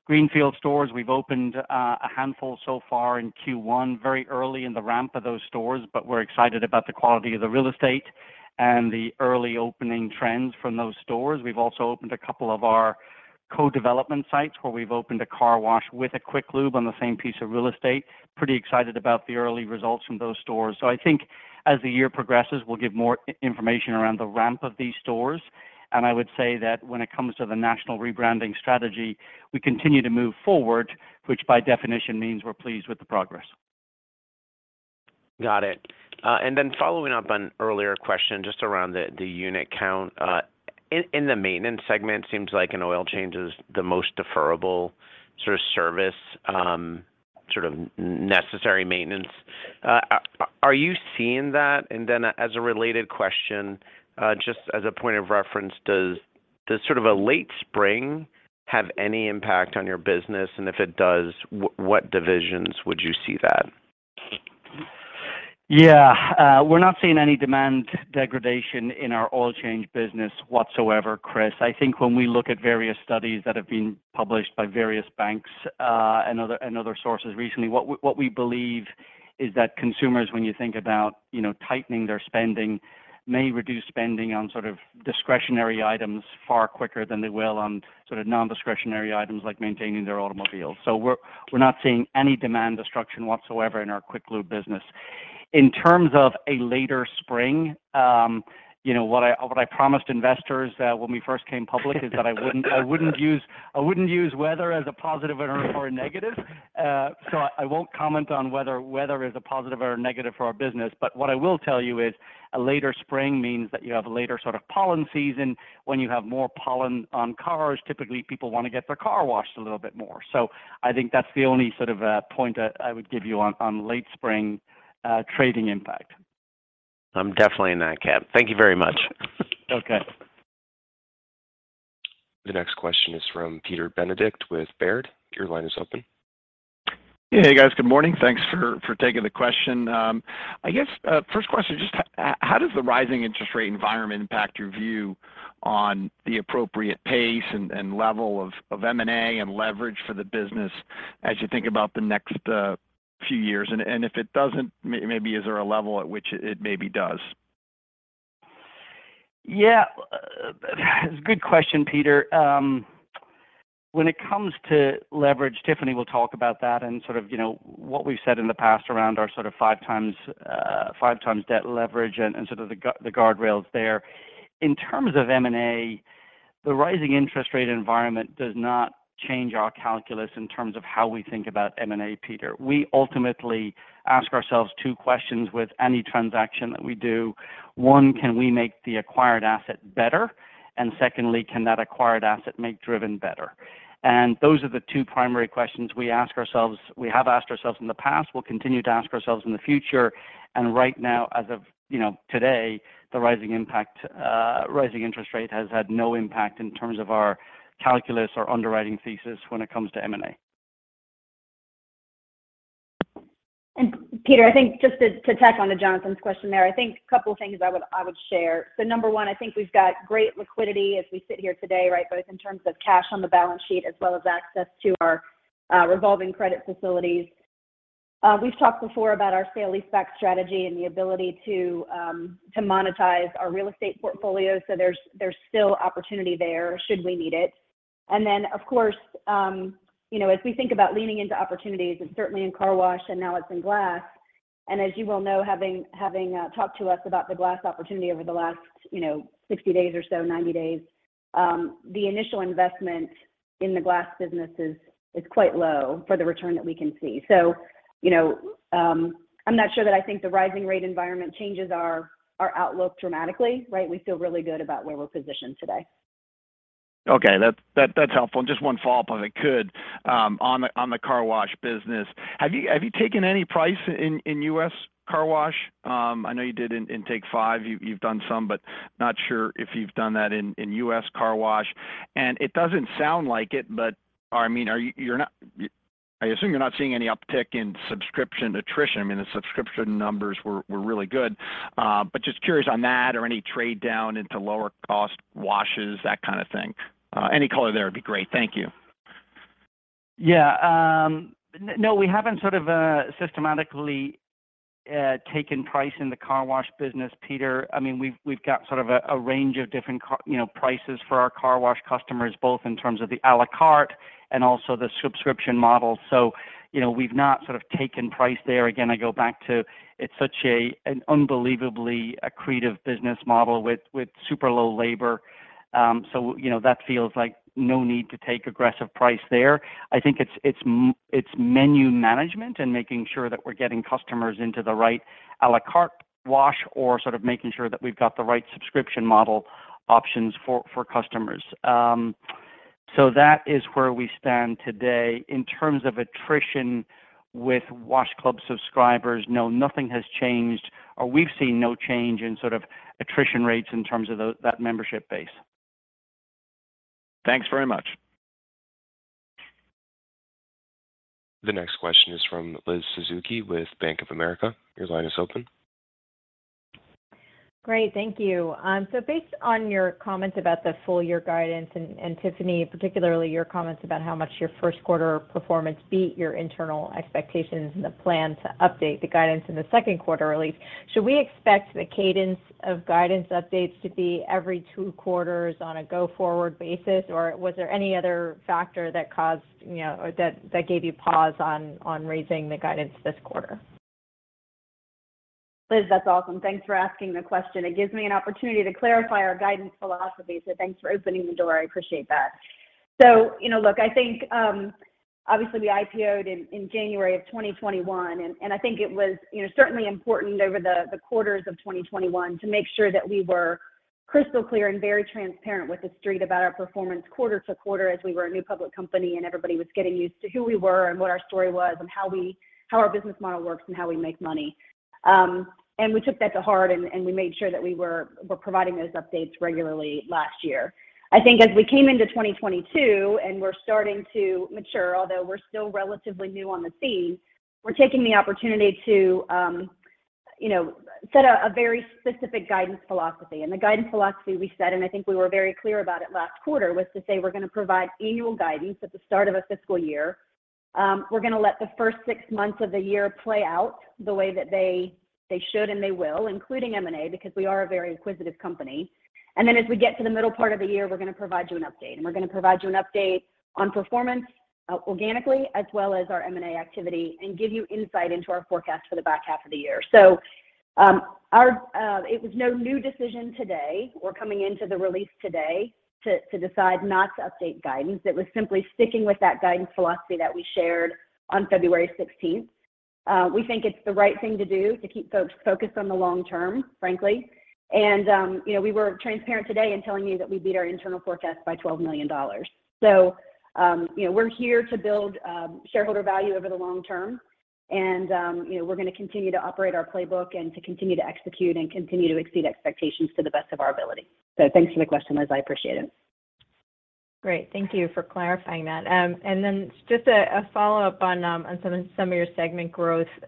Greenfield stores, we've opened a handful so far in Q1, very early in the ramp of those stores, but we're excited about the quality of the real estate and the early opening trends from those stores. We've also opened a couple of our co-development sites where we've opened a car wash with a quick lube on the same piece of real estate. Pretty excited about the early results from those stores. I think as the year progresses, we'll give more information around the ramp of these stores. I would say that when it comes to the national rebranding strategy, we continue to move forward, which by definition means we're pleased with the progress. Got it. Following up on earlier question just around the unit count. In the Maintenance segment, seems like an oil change is the most deferrable sort of service, sort of necessary maintenance. Are you seeing that? As a related question, just as a point of reference, does sort of a late spring have any impact on your business? If it does, what divisions would you see that? Yeah. We're not seeing any demand degradation in our Oil Change business whatsoever, Chris. I think when we look at various studies that have been published by various banks and other sources recently, what we believe is that consumers, when you think about, you know, tightening their spending, may reduce spending on sort of discretionary items far quicker than they will on sort of non-discretionary items like maintaining their automobile. We're not seeing any demand destruction whatsoever in our Quick Lube business. In terms of a later spring, you know, what I promised investors when we first came public is that I wouldn't use weather as a positive or a negative. I won't comment on whether weather is a positive or a negative for our business. What I will tell you is a later spring means that you have a later sort of pollen season. When you have more pollen on cars, typically people wanna get their car washed a little bit more. I think that's the only sort of point I would give you on late spring trading impact. I'm definitely in that camp. Thank you very much. Okay. The next question is from Peter Benedict with Baird. Your line is open. Hey guys, good morning. Thanks for taking the question. I guess, first question, just how does the rising interest rate environment impact your view on the appropriate pace and level of M&A and leverage for the business as you think about the next few years? If it doesn't, maybe is there a level at which it maybe does? Yeah. It's a good question, Peter. When it comes to leverage, Tiffany will talk about that and sort of, you know, what we've said in the past around our sort of 5x debt leverage and sort of the guardrails there. In terms of M&A, the rising interest rate environment does not change our calculus in terms of how we think about M&A, Peter. We ultimately ask ourselves two questions with any transaction that we do. One, can we make the acquired asset better? And secondly, can that acquired asset make Driven better? And those are the two primary questions we ask ourselves. We have asked ourselves in the past, we'll continue to ask ourselves in the future. Right now, as of, you know, today, the rising impact, rising interest rate has had no impact in terms of our calculus or underwriting thesis when it comes to M&A. Peter, I think just to tack onto Jonathan's question there, I think a couple things I would share. Number one, I think we've got great liquidity as we sit here today, right? Both in terms of cash on the balance sheet as well as access to our revolving credit facilities. We've talked before about our sale leaseback strategy and the ability to monetize our real estate portfolio. There's still opportunity there should we need it. Of course, you know, as we think about leaning into opportunities, and certainly in Car Wash and now it's in Glass, and as you well know, having talked to us about the glass opportunity over the last, you know, 60 days or so, 90 days, the initial investment in the Glass business is quite low for the return that we can see. So, you know, I'm not sure that I think the rising rate environment changes our outlook dramatically, right? We feel really good about where we're positioned today. Okay. That's helpful. Just one follow-up, if I could. On the Car Wash business, have you taken any price in U.S. Car Wash? I know you did in Take 5. You've done some, but not sure if you've done that in U.S. Car Wash. It doesn't sound like it, but I mean, I assume you're not seeing any uptick in subscription attrition. I mean, the subscription numbers were really good. Just curious on that or any trade down into lower cost washes, that kind of thing. Any color there would be great. Thank you. Yeah. No, we haven't sort of systematically taken price in the Car Wash business, Peter. I mean, we've got sort of a range of different car, you know, prices for our car wash customers, both in terms of the à la carte and also the subscription model. You know, we've not sort of taken price there. Again, I go back to it's such an unbelievably accretive business model with super low labor. You know, that feels like no need to take aggressive price there. I think it's menu management and making sure that we're getting customers into the right à la carte wash or sort of making sure that we've got the right subscription model options for customers. That is where we stand today. In terms of attrition with wash club subscribers, no, nothing has changed, or we've seen no change in sort of attrition rates in terms of that membership base. Thanks very much. The next question is from Liz Suzuki with Bank of America. Your line is open. Great. Thank you. So based on your comments about the full year guidance and Tiffany, particularly your comments about how much your first quarter performance beat your internal expectations and the plan to update the guidance in the second quarter release, should we expect the cadence of guidance updates to be every two quarters on a go-forward basis? Or was there any other factor that gave you pause on raising the guidance this quarter? Liz, that's awesome. Thanks for asking the question. It gives me an opportunity to clarify our guidance philosophy, so thanks for opening the door. I appreciate that. You know, look, I think, obviously we IPO'd in January of 2021, and I think it was, you know, certainly important over the quarters of 2021 to make sure that we were crystal clear and very transparent with the Street about our performance quarter to quarter as we were a new public company and everybody was getting used to who we were and what our story was and how our business model works and how we make money. We took that to heart and we made sure that we were providing those updates regularly last year. I think as we came into 2022, and we're starting to mature, although we're still relatively new on the scene, we're taking the opportunity to, you know, set a very specific guidance philosophy. The guidance philosophy we set, and I think we were very clear about it last quarter, was to say, we're gonna provide annual guidance at the start of a fiscal year. We're gonna let the first six months of the year play out the way that they should and they will, including M&A, because we are a very acquisitive company. Then as we get to the middle part of the year, we're gonna provide you an update, and we're gonna provide you an update on performance, organically as well as our M&A activity and give you insight into our forecast for the back half of the year. It was no new decision today. We're coming into the release today to decide not to update guidance. It was simply sticking with that guidance philosophy that we shared on February 16th. We think it's the right thing to do to keep folks focused on the long term, frankly. You know, we were transparent today in telling you that we beat our internal forecast by $12 million. You know, we're here to build shareholder value over the long term and you know, we're gonna continue to operate our playbook and to continue to execute and continue to exceed expectations to the best of our ability. Thanks for the question, Liz. I appreciate it. Great. Thank you for clarifying that. Just a follow-up on some of your segment growth, you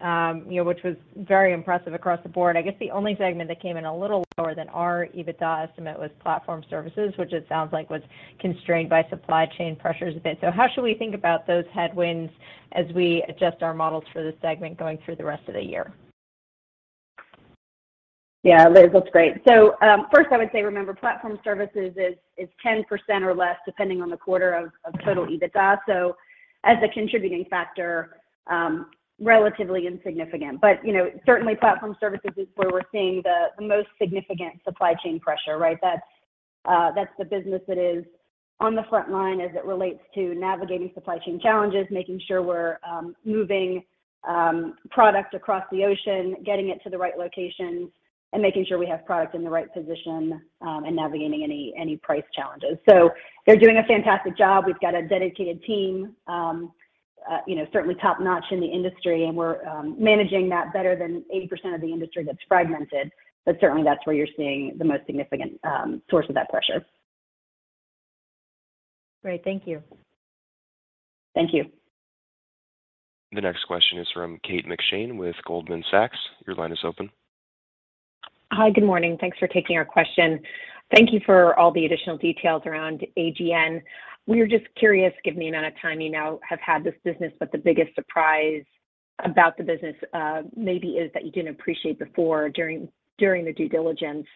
know, which was very impressive across the board. I guess the only segment that came in a little lower than our EBITDA estimate was platform services, which it sounds like was constrained by supply chain pressures a bit. How should we think about those headwinds as we adjust our models for this segment going through the rest of the year? Yeah. Liz, that's great. First I would say remember, platform services is 10% or less, depending on the quarter of total EBITDA. As a contributing factor, relatively insignificant. You know, certainly platform services is where we're seeing the most significant supply chain pressure, right? That's the business that is on the front line as it relates to navigating supply chain challenges, making sure we're moving product across the ocean, getting it to the right locations, and making sure we have product in the right position, and navigating any price challenges. So they're doing a fantastic job. We've got a dedicated team, you know, certainly top-notch in the industry and we're managing that better than 80% of the industry that's fragmented. Certainly that's where you're seeing the most significant source of that pressure. Great. Thank you. Thank you. The next question is from Kate McShane with Goldman Sachs. Your line is open. Hi. Good morning. Thanks for taking our question. Thank you for all the additional details around AGN. We're just curious, given the amount of time you now have had this business, what the biggest surprise about the business, maybe is that you didn't appreciate before during the due diligence.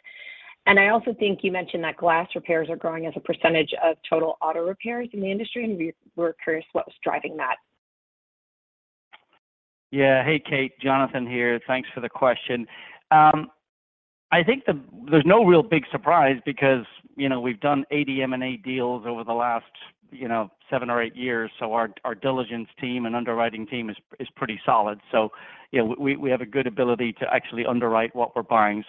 I also think you mentioned that glass repairs are growing as a percentage of total auto repairs in the industry, and we're curious what was driving that. Yeah. Hey, Kate, Jonathan here. Thanks for the question. I think there's no real big surprise because, you know, we've done 80 M&A deals over the last, you know, seven or eight years. Our diligence team and underwriting team is pretty solid. You know, we have a good ability to actually underwrite what we're buying.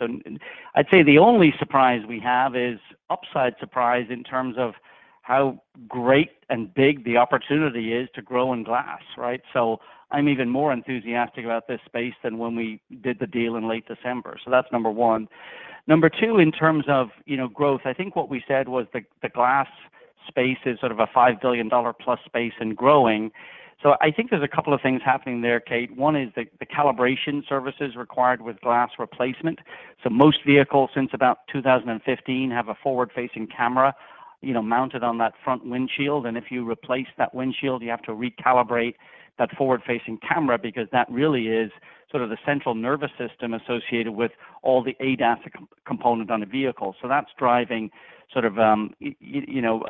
I'd say the only surprise we have is upside surprise in terms of how great and big the opportunity is to grow in Glass, right? I'm even more enthusiastic about this space than when we did the deal in late December. That's number one. Number two, in terms of, you know, growth, I think what we said was the glass space is sort of a $5 billion plus space and growing. I think there's a couple of things happening there, Kate. One is the calibration services required with glass replacement. Most vehicles since about 2015 have a forward-facing camera, you know, mounted on that front windshield. If you replace that windshield, you have to recalibrate that forward-facing camera because that really is sort of the central nervous system associated with all the ADAS component on a vehicle. That's driving sort of, you know,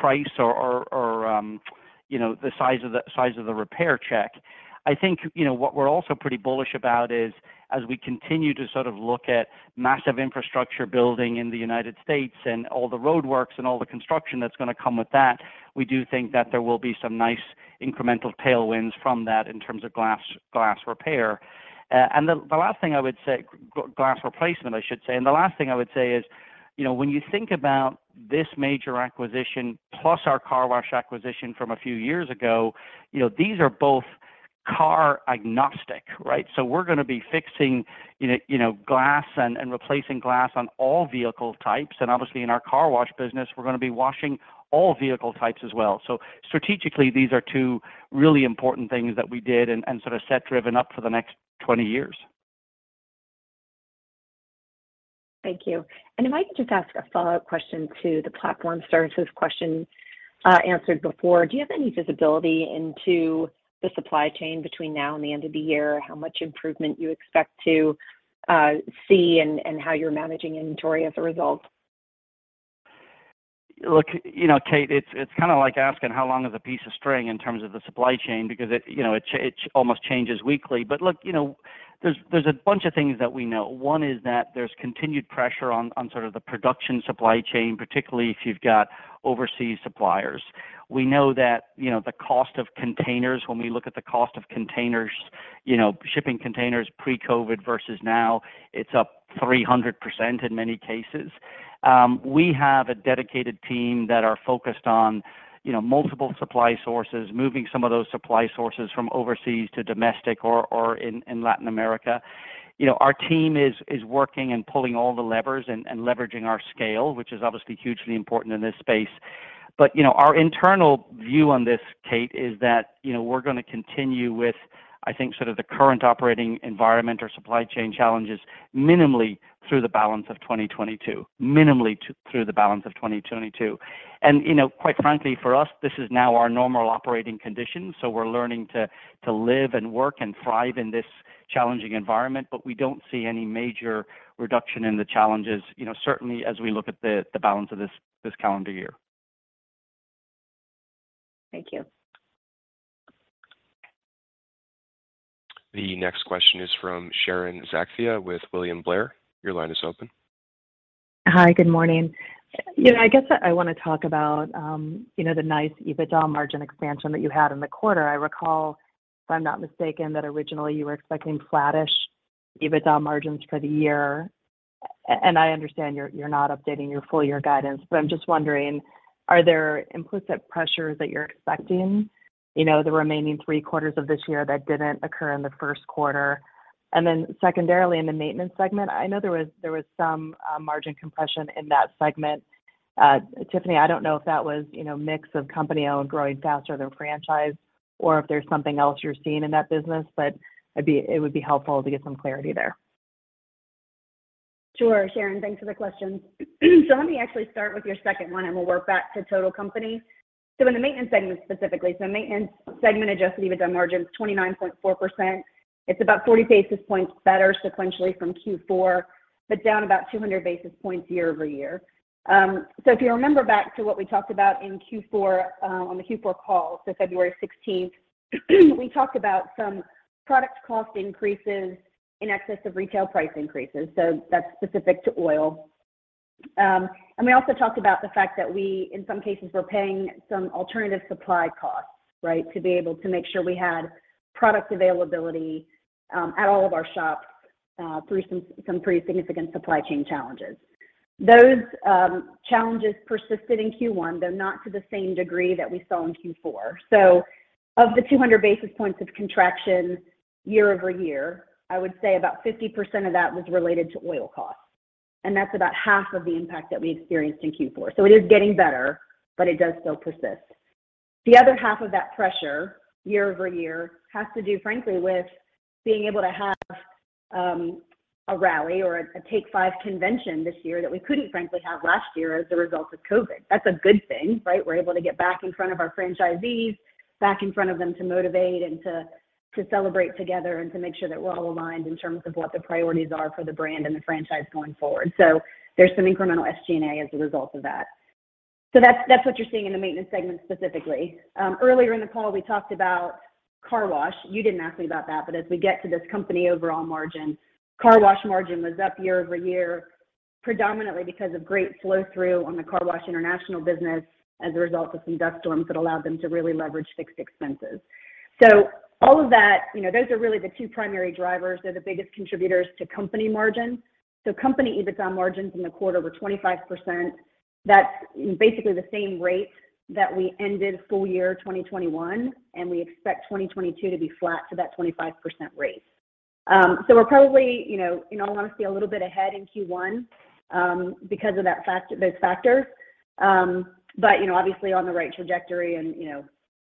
price or, you know, the size of the repair check. I think, you know, what we're also pretty bullish about is, as we continue to sort of look at massive infrastructure building in the United States and all the roadworks and all the construction that's gonna come with that, we do think that there will be some nice incremental tailwinds from that in terms of glass repair. The last thing I would say is glass replacement, I should say. The last thing I would say is, you know, when you think about this major acquisition plus our Car Wash acquisition from a few years ago, you know, these are both car agnostic, right? We're gonna be fixing, you know, glass and replacing glass on all vehicle types. Obviously in our Car Wash business, we're gonna be washing all vehicle types as well. Strategically, these are two really important things that we did, and sort of set Driven up for the next 20 years. Thank you. If I could just ask a follow-up question to the platform services question answered before. Do you have any visibility into the supply chain between now and the end of the year? How much improvement you expect to see and how you're managing inventory as a result? Look, you know, Kate, it's kinda like asking how long a piece of string in terms of the supply chain is because it, you know, it almost changes weekly. Look, you know, there's a bunch of things that we know. One is that there's continued pressure on sort of the production supply chain, particularly if you've got overseas suppliers. We know that, you know, the cost of containers, when we look at the cost of containers, you know, shipping containers pre-COVID versus now, it's up 300% in many cases. We have a dedicated team that are focused on, you know, multiple supply sources, moving some of those supply sources from overseas to domestic or in Latin America. You know, our team is working and pulling all the levers and leveraging our scale, which is obviously hugely important in this space. Our internal view on this, Kate, is that, you know, we're gonna continue with, I think, sort of the current operating environment or supply chain challenges minimally through the balance of 2022. You know, quite frankly, for us, this is now our normal operating condition, so we're learning to live and work and thrive in this challenging environment, but we don't see any major reduction in the challenges, you know, certainly as we look at the balance of this calendar year. Thank you. The next question is from Sharon Zackfia with William Blair. Your line is open. Hi, good morning. You know, I guess I wanna talk about, you know, the nice EBITDA margin expansion that you had in the quarter. I recall, if I'm not mistaken, that originally you were expecting flattish EBITDA margins for the year. I understand you're not updating your full year guidance, but I'm just wondering, are there implicit pressures that you're expecting, you know, the remaining three quarters of this year that didn't occur in the first quarter? Then secondarily, in the Maintenance segment, I know there was some margin compression in that segment. Tiffany, I don't know if that was, you know, mix of company-owned growing faster than franchise or if there's something else you're seeing in that business, but it would be helpful to get some clarity there. Sure, Sharon. Thanks for the question. Let me actually start with your second one, and we'll work back to total company. In the Maintenance segment specifically, Maintenance segment adjusted EBITDA margin is 29.4%. It's about 40 basis points better sequentially from Q4, but down about 200 basis points year-over-year. If you remember back to what we talked about in Q4, on the Q4 call, February sixteenth, we talked about some product cost increases in excess of retail price increases, that's specific to oil. We also talked about the fact that we, in some cases, were paying some alternative supply costs, right? To be able to make sure we had product availability at all of our shops through some pretty significant supply chain challenges. Those challenges persisted in Q1, though not to the same degree that we saw in Q4. Of the 200 basis points of contraction year-over-year, I would say about 50% of that was related to oil costs, and that's about half of the impact that we experienced in Q4. It is getting better, but it does still persist. The other half of that pressure year-over-year has to do, frankly, with being able to have a rally or a Take 5 convention this year that we couldn't frankly have last year as a result of COVID. That's a good thing, right? We're able to get back in front of our franchisees, back in front of them to motivate and to celebrate together and to make sure that we're all aligned in terms of what the priorities are for the brand and the franchise going forward. There's some incremental SG&A as a result of that. That's what you're seeing in the Maintenance segment specifically. Earlier in the call, we talked about Car Wash. You didn't ask me about that, but as we get to this company overall margin. Car Wash margin was up year-over-year, predominantly because of great flow-through on the Car Wash International business as a result of some dust storms that allowed them to really leverage fixed expenses. All of that, you know, those are really the two primary drivers. They're the biggest contributors to company margin. Company EBITDA margins in the quarter were 25%. That's basically the same rate that we ended full year 2021, and we expect 2022 to be flat to that 25% rate. We're probably, you know, honestly a little bit ahead in Q1, because of those factors. You know, obviously on the right trajectory and,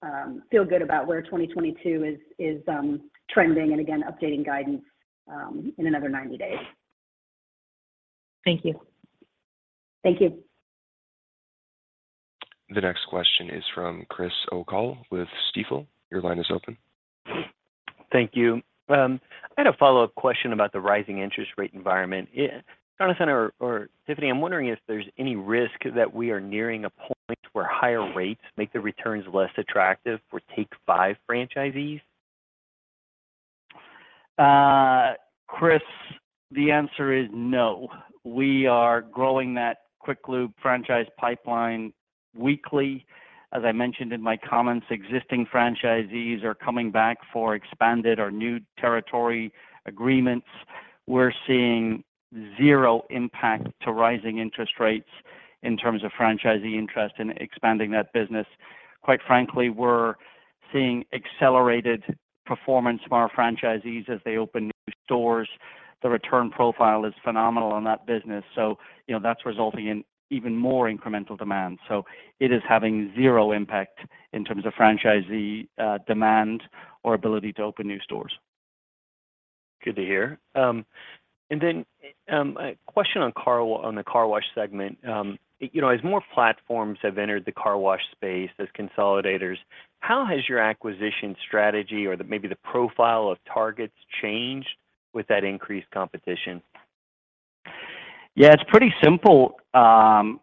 you know, feel good about where 2022 is trending and again, updating guidance in another 90 days. Thank you. Thank you. The next question is from Chris O'Cull with Stifel. Your line is open. Thank you. I had a follow-up question about the rising interest rate environment. Jonathan or Tiffany, I'm wondering if there's any risk that we are nearing a point where higher rates make the returns less attractive for Take 5 franchisees. Chris, the answer is no. We are growing that Quick Lube franchise pipeline weekly. As I mentioned in my comments, existing franchisees are coming back for expanded or new territory agreements. We're seeing zero impact to rising interest rates in terms of franchisee interest in expanding that business. Quite frankly, we're seeing accelerated performance from our franchisees as they open new stores. The return profile is phenomenal in that business, so, you know, that's resulting in even more incremental demand. It is having zero impact in terms of franchisee demand or ability to open new stores. Good to hear. A question on the Car Wash segment. You know, as more platforms have entered the car wash space as consolidators, how has your acquisition strategy or maybe the profile of targets changed with that increased competition? Yeah, it's pretty simple,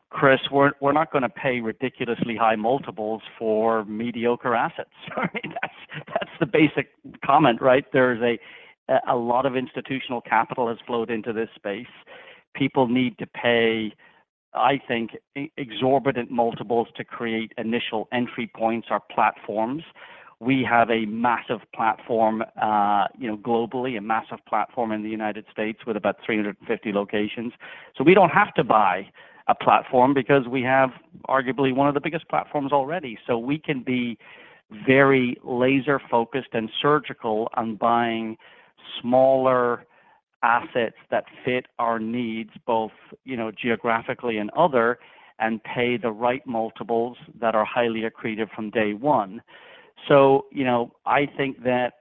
Chris. We're not gonna pay ridiculously high multiples for mediocre assets, right? That's the basic comment, right? There's a lot of institutional capital has flowed into this space. People need to pay, I think, exorbitant multiples to create initial entry points or platforms. We have a massive platform, you know, globally, a massive platform in the United States with about 350 locations. We don't have to buy a platform because we have arguably one of the biggest platforms already. We can be very laser-focused and surgical on buying smaller assets that fit our needs both, you know, geographically and other, and pay the right multiples that are highly accretive from day one. You know, I think that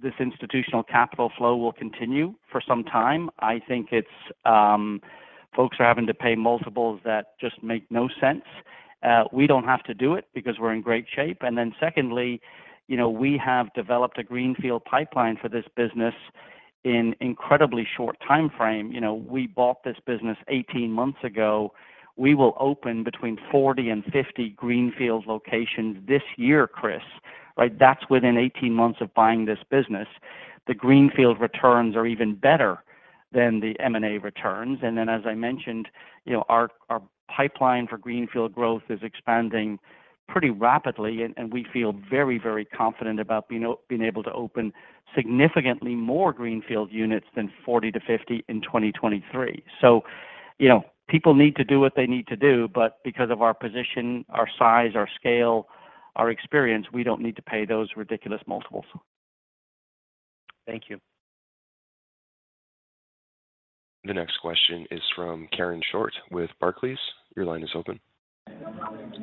this institutional capital flow will continue for some time. I think it's Folks are having to pay multiples that just make no sense. We don't have to do it because we're in great shape. Secondly, you know, we have developed a greenfield pipeline for this business in incredibly short timeframe. You know, we bought this business 18 months ago. We will open between 40 and 50 greenfield locations this year, Chris, right? That's within 18 months of buying this business. The greenfield returns are even better than the M&A returns. As I mentioned, you know, our pipeline for greenfield growth is expanding pretty rapidly and we feel very, very confident about being able to open significantly more greenfield units than 40-50 in 2023. You know, people need to do what they need to do, but because of our position, our size, our scale, our experience, we don't need to pay those ridiculous multiples. Thank you. The next question is from Karen Short with Barclays. Your line is open.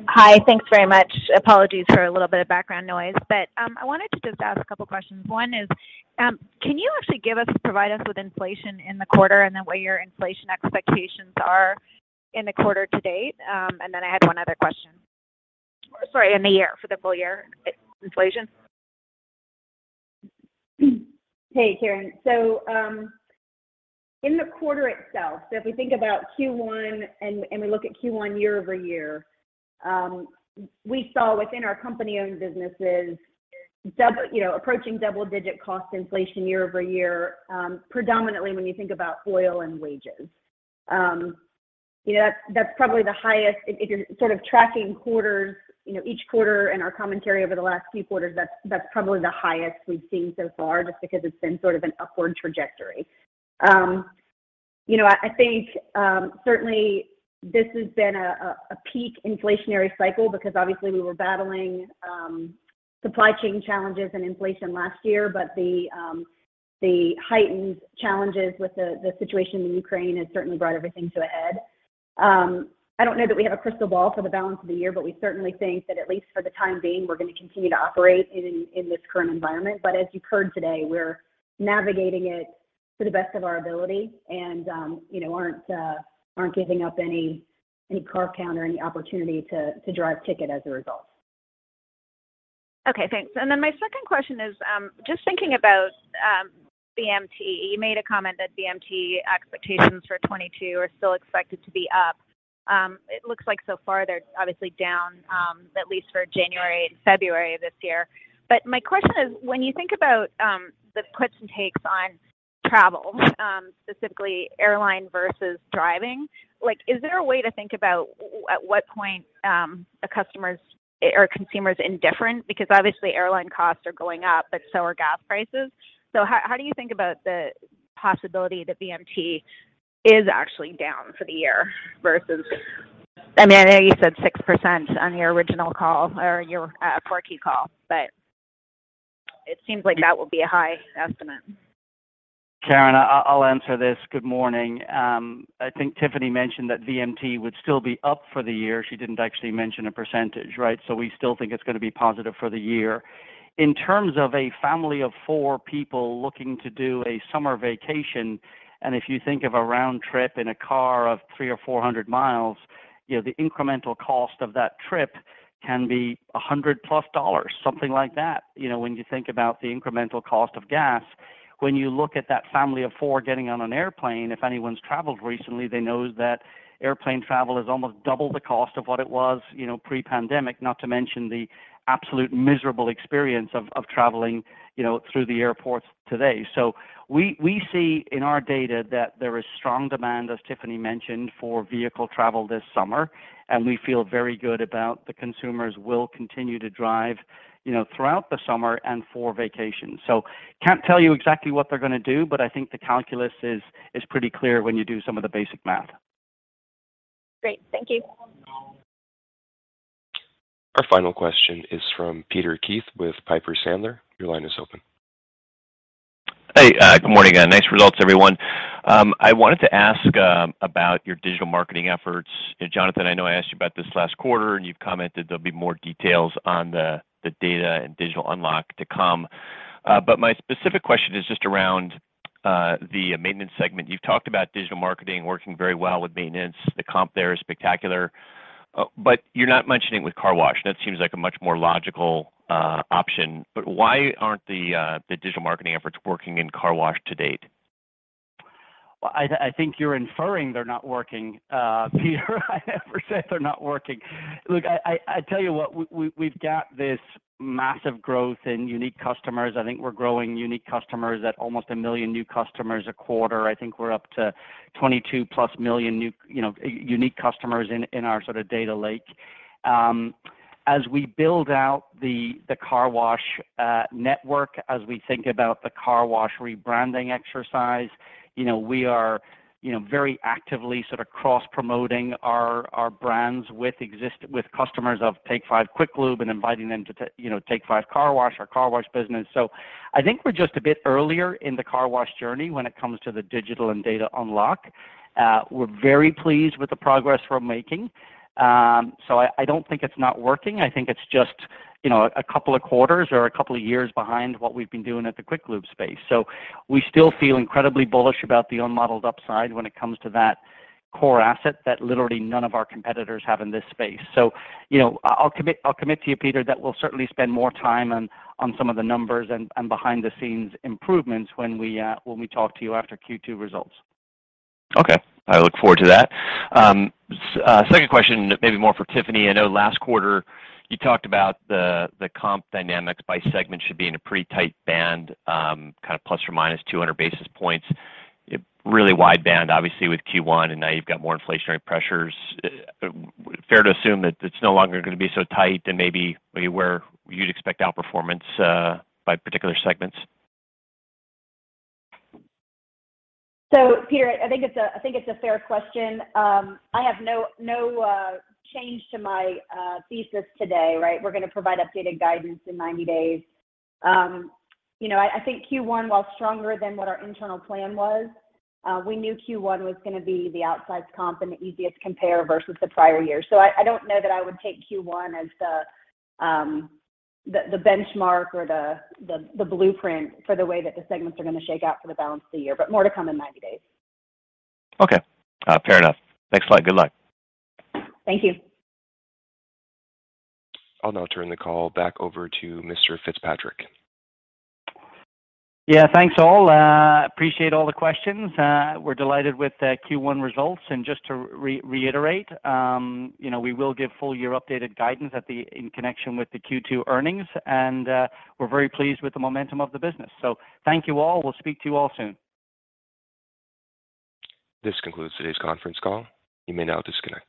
Hi. Thanks very much. Apologies for a little bit of background noise. I wanted to just ask a couple questions. One is, can you actually provide us with inflation in the quarter and then what your inflation expectations are in the quarter to date? I had one other question. Sorry, in the year, for the full year inflation. Hey, Karen. In the quarter itself, if we think about Q1 and we look at Q1 year-over-year, we saw within our company-owned businesses approaching double-digit cost inflation year-over-year, predominantly when you think about oil and wages. You know, that's probably the highest. If you're sort of tracking quarters, you know, each quarter and our commentary over the last few quarters, that's probably the highest we've seen so far just because it's been sort of an upward trajectory. You know, I think certainly this has been a peak inflationary cycle because obviously we were battling supply chain challenges and inflation last year. The heightened challenges with the situation in Ukraine has certainly brought everything to a head. I don't know that we have a crystal ball for the balance of the year, but we certainly think that at least for the time being, we're gonna continue to operate in this current environment. As you've heard today, we're navigating it to the best of our ability and, you know, aren't giving up any car count or any opportunity to drive ticket as a result. Okay, thanks. My second question is, just thinking about VMT. You made a comment that VMT expectations for 2022 are still expected to be up. It looks like so far they're obviously down, at least for January and February this year. My question is when you think about the puts and takes on travel, specifically airline versus driving, like, is there a way to think about at what point a customer's or a consumer's indifferent? Because obviously airline costs are going up, but so are gas prices. How do you think about the possibility that VMT is actually down for the year versus. I mean, I know you said 6% on your original call or your 4Q call, but it seems like that would be a high estimate. Karen, I'll answer this. Good morning. I think Tiffany mentioned that VMT would still be up for the year. She didn't actually mention a percentage, right? We still think it's gonna be positive for the year. In terms of a family of four people looking to do a summer vacation, if you think of a round trip in a car of 300 or 400 miles, you know, the incremental cost of that trip can be $100+ dollars, something like that, you know, when you think about the incremental cost of gas. When you look at that family of four getting on an airplane, if anyone's traveled recently, they know that airplane travel is almost double the cost of what it was, you know, pre-pandemic, not to mention the absolute miserable experience of traveling, you know, through the airports today. We see in our data that there is strong demand, as Tiffany mentioned, for vehicle travel this summer, and we feel very good about the consumers will continue to drive, you know, throughout the summer and for vacations. Can't tell you exactly what they're gonna do, but I think the calculus is pretty clear when you do some of the basic math. Great. Thank you. Our final question is from Peter Keith with Piper Sandler. Your line is open. Hey, good morning. Nice results, everyone. I wanted to ask about your digital marketing efforts. Jonathan, I know I asked you about this last quarter, and you've commented there'll be more details on the data and digital unlock to come. My specific question is just around the Maintenance segment. You've talked about digital marketing working very well with maintenance. The comp there is spectacular. You're not mentioning with Car Wash. That seems like a much more logical option. Why aren't the digital marketing efforts working in Car Wash to date? Well, I think you're inferring they're not working, Peter. I never said they're not working. Look, I tell you what, we've got this massive growth in unique customers. I think we're growing unique customers at almost 1 million new customers a quarter. I think we're up to 22+ million new, you know, unique customers in our sort of data lake. As we build out the Car Wash network, as we think about the Car Wash rebranding exercise, you know, we are, you know, very actively sort of cross promoting our brands with customers of Take 5 Oil Change and inviting them to Take 5 Car Wash, our Car Wash business. I think we're just a bit earlier in the car wash journey when it comes to the digital and data unlock. We're very pleased with the progress we're making. I don't think it's not working. I think it's just, you know, a couple of quarters or a couple of years behind what we've been doing at the quick lube space. We still feel incredibly bullish about the unmodeled upside when it comes to that core asset that literally none of our competitors have in this space. You know, I'll commit to you, Peter, that we'll certainly spend more time on some of the numbers and behind-the-scenes improvements when we talk to you after Q2 results. Okay. I look forward to that. Second question, maybe more for Tiffany. I know last quarter you talked about the comp dynamics by segment should be in a pretty tight band, kinda ±200 basis points. Really wide band, obviously, with Q1, and now you've got more inflationary pressures. Fair to assume that it's no longer gonna be so tight and maybe where you'd expect outperformance by particular segments? Peter, I think it's a fair question. I have no change to my thesis today, right? We're gonna provide updated guidance in 90 days. You know, I think Q1, while stronger than what our internal plan was, we knew Q1 was gonna be the outsized comp and the easiest compare versus the prior year. I don't know that I would take Q1 as the benchmark or the blueprint for the way that the segments are gonna shake out for the balance of the year, but more to come in 90 days. Okay. Fair enough. Thanks a lot. Good luck. Thank you. I'll now turn the call back over to Mr. Fitzpatrick. Yeah, thanks all. Appreciate all the questions. We're delighted with the Q1 results. Just to reiterate, you know, we will give full year updated guidance in connection with the Q2 earnings, and we're very pleased with the momentum of the business. Thank you all. We'll speak to you all soon. This concludes today's conference call. You may now disconnect.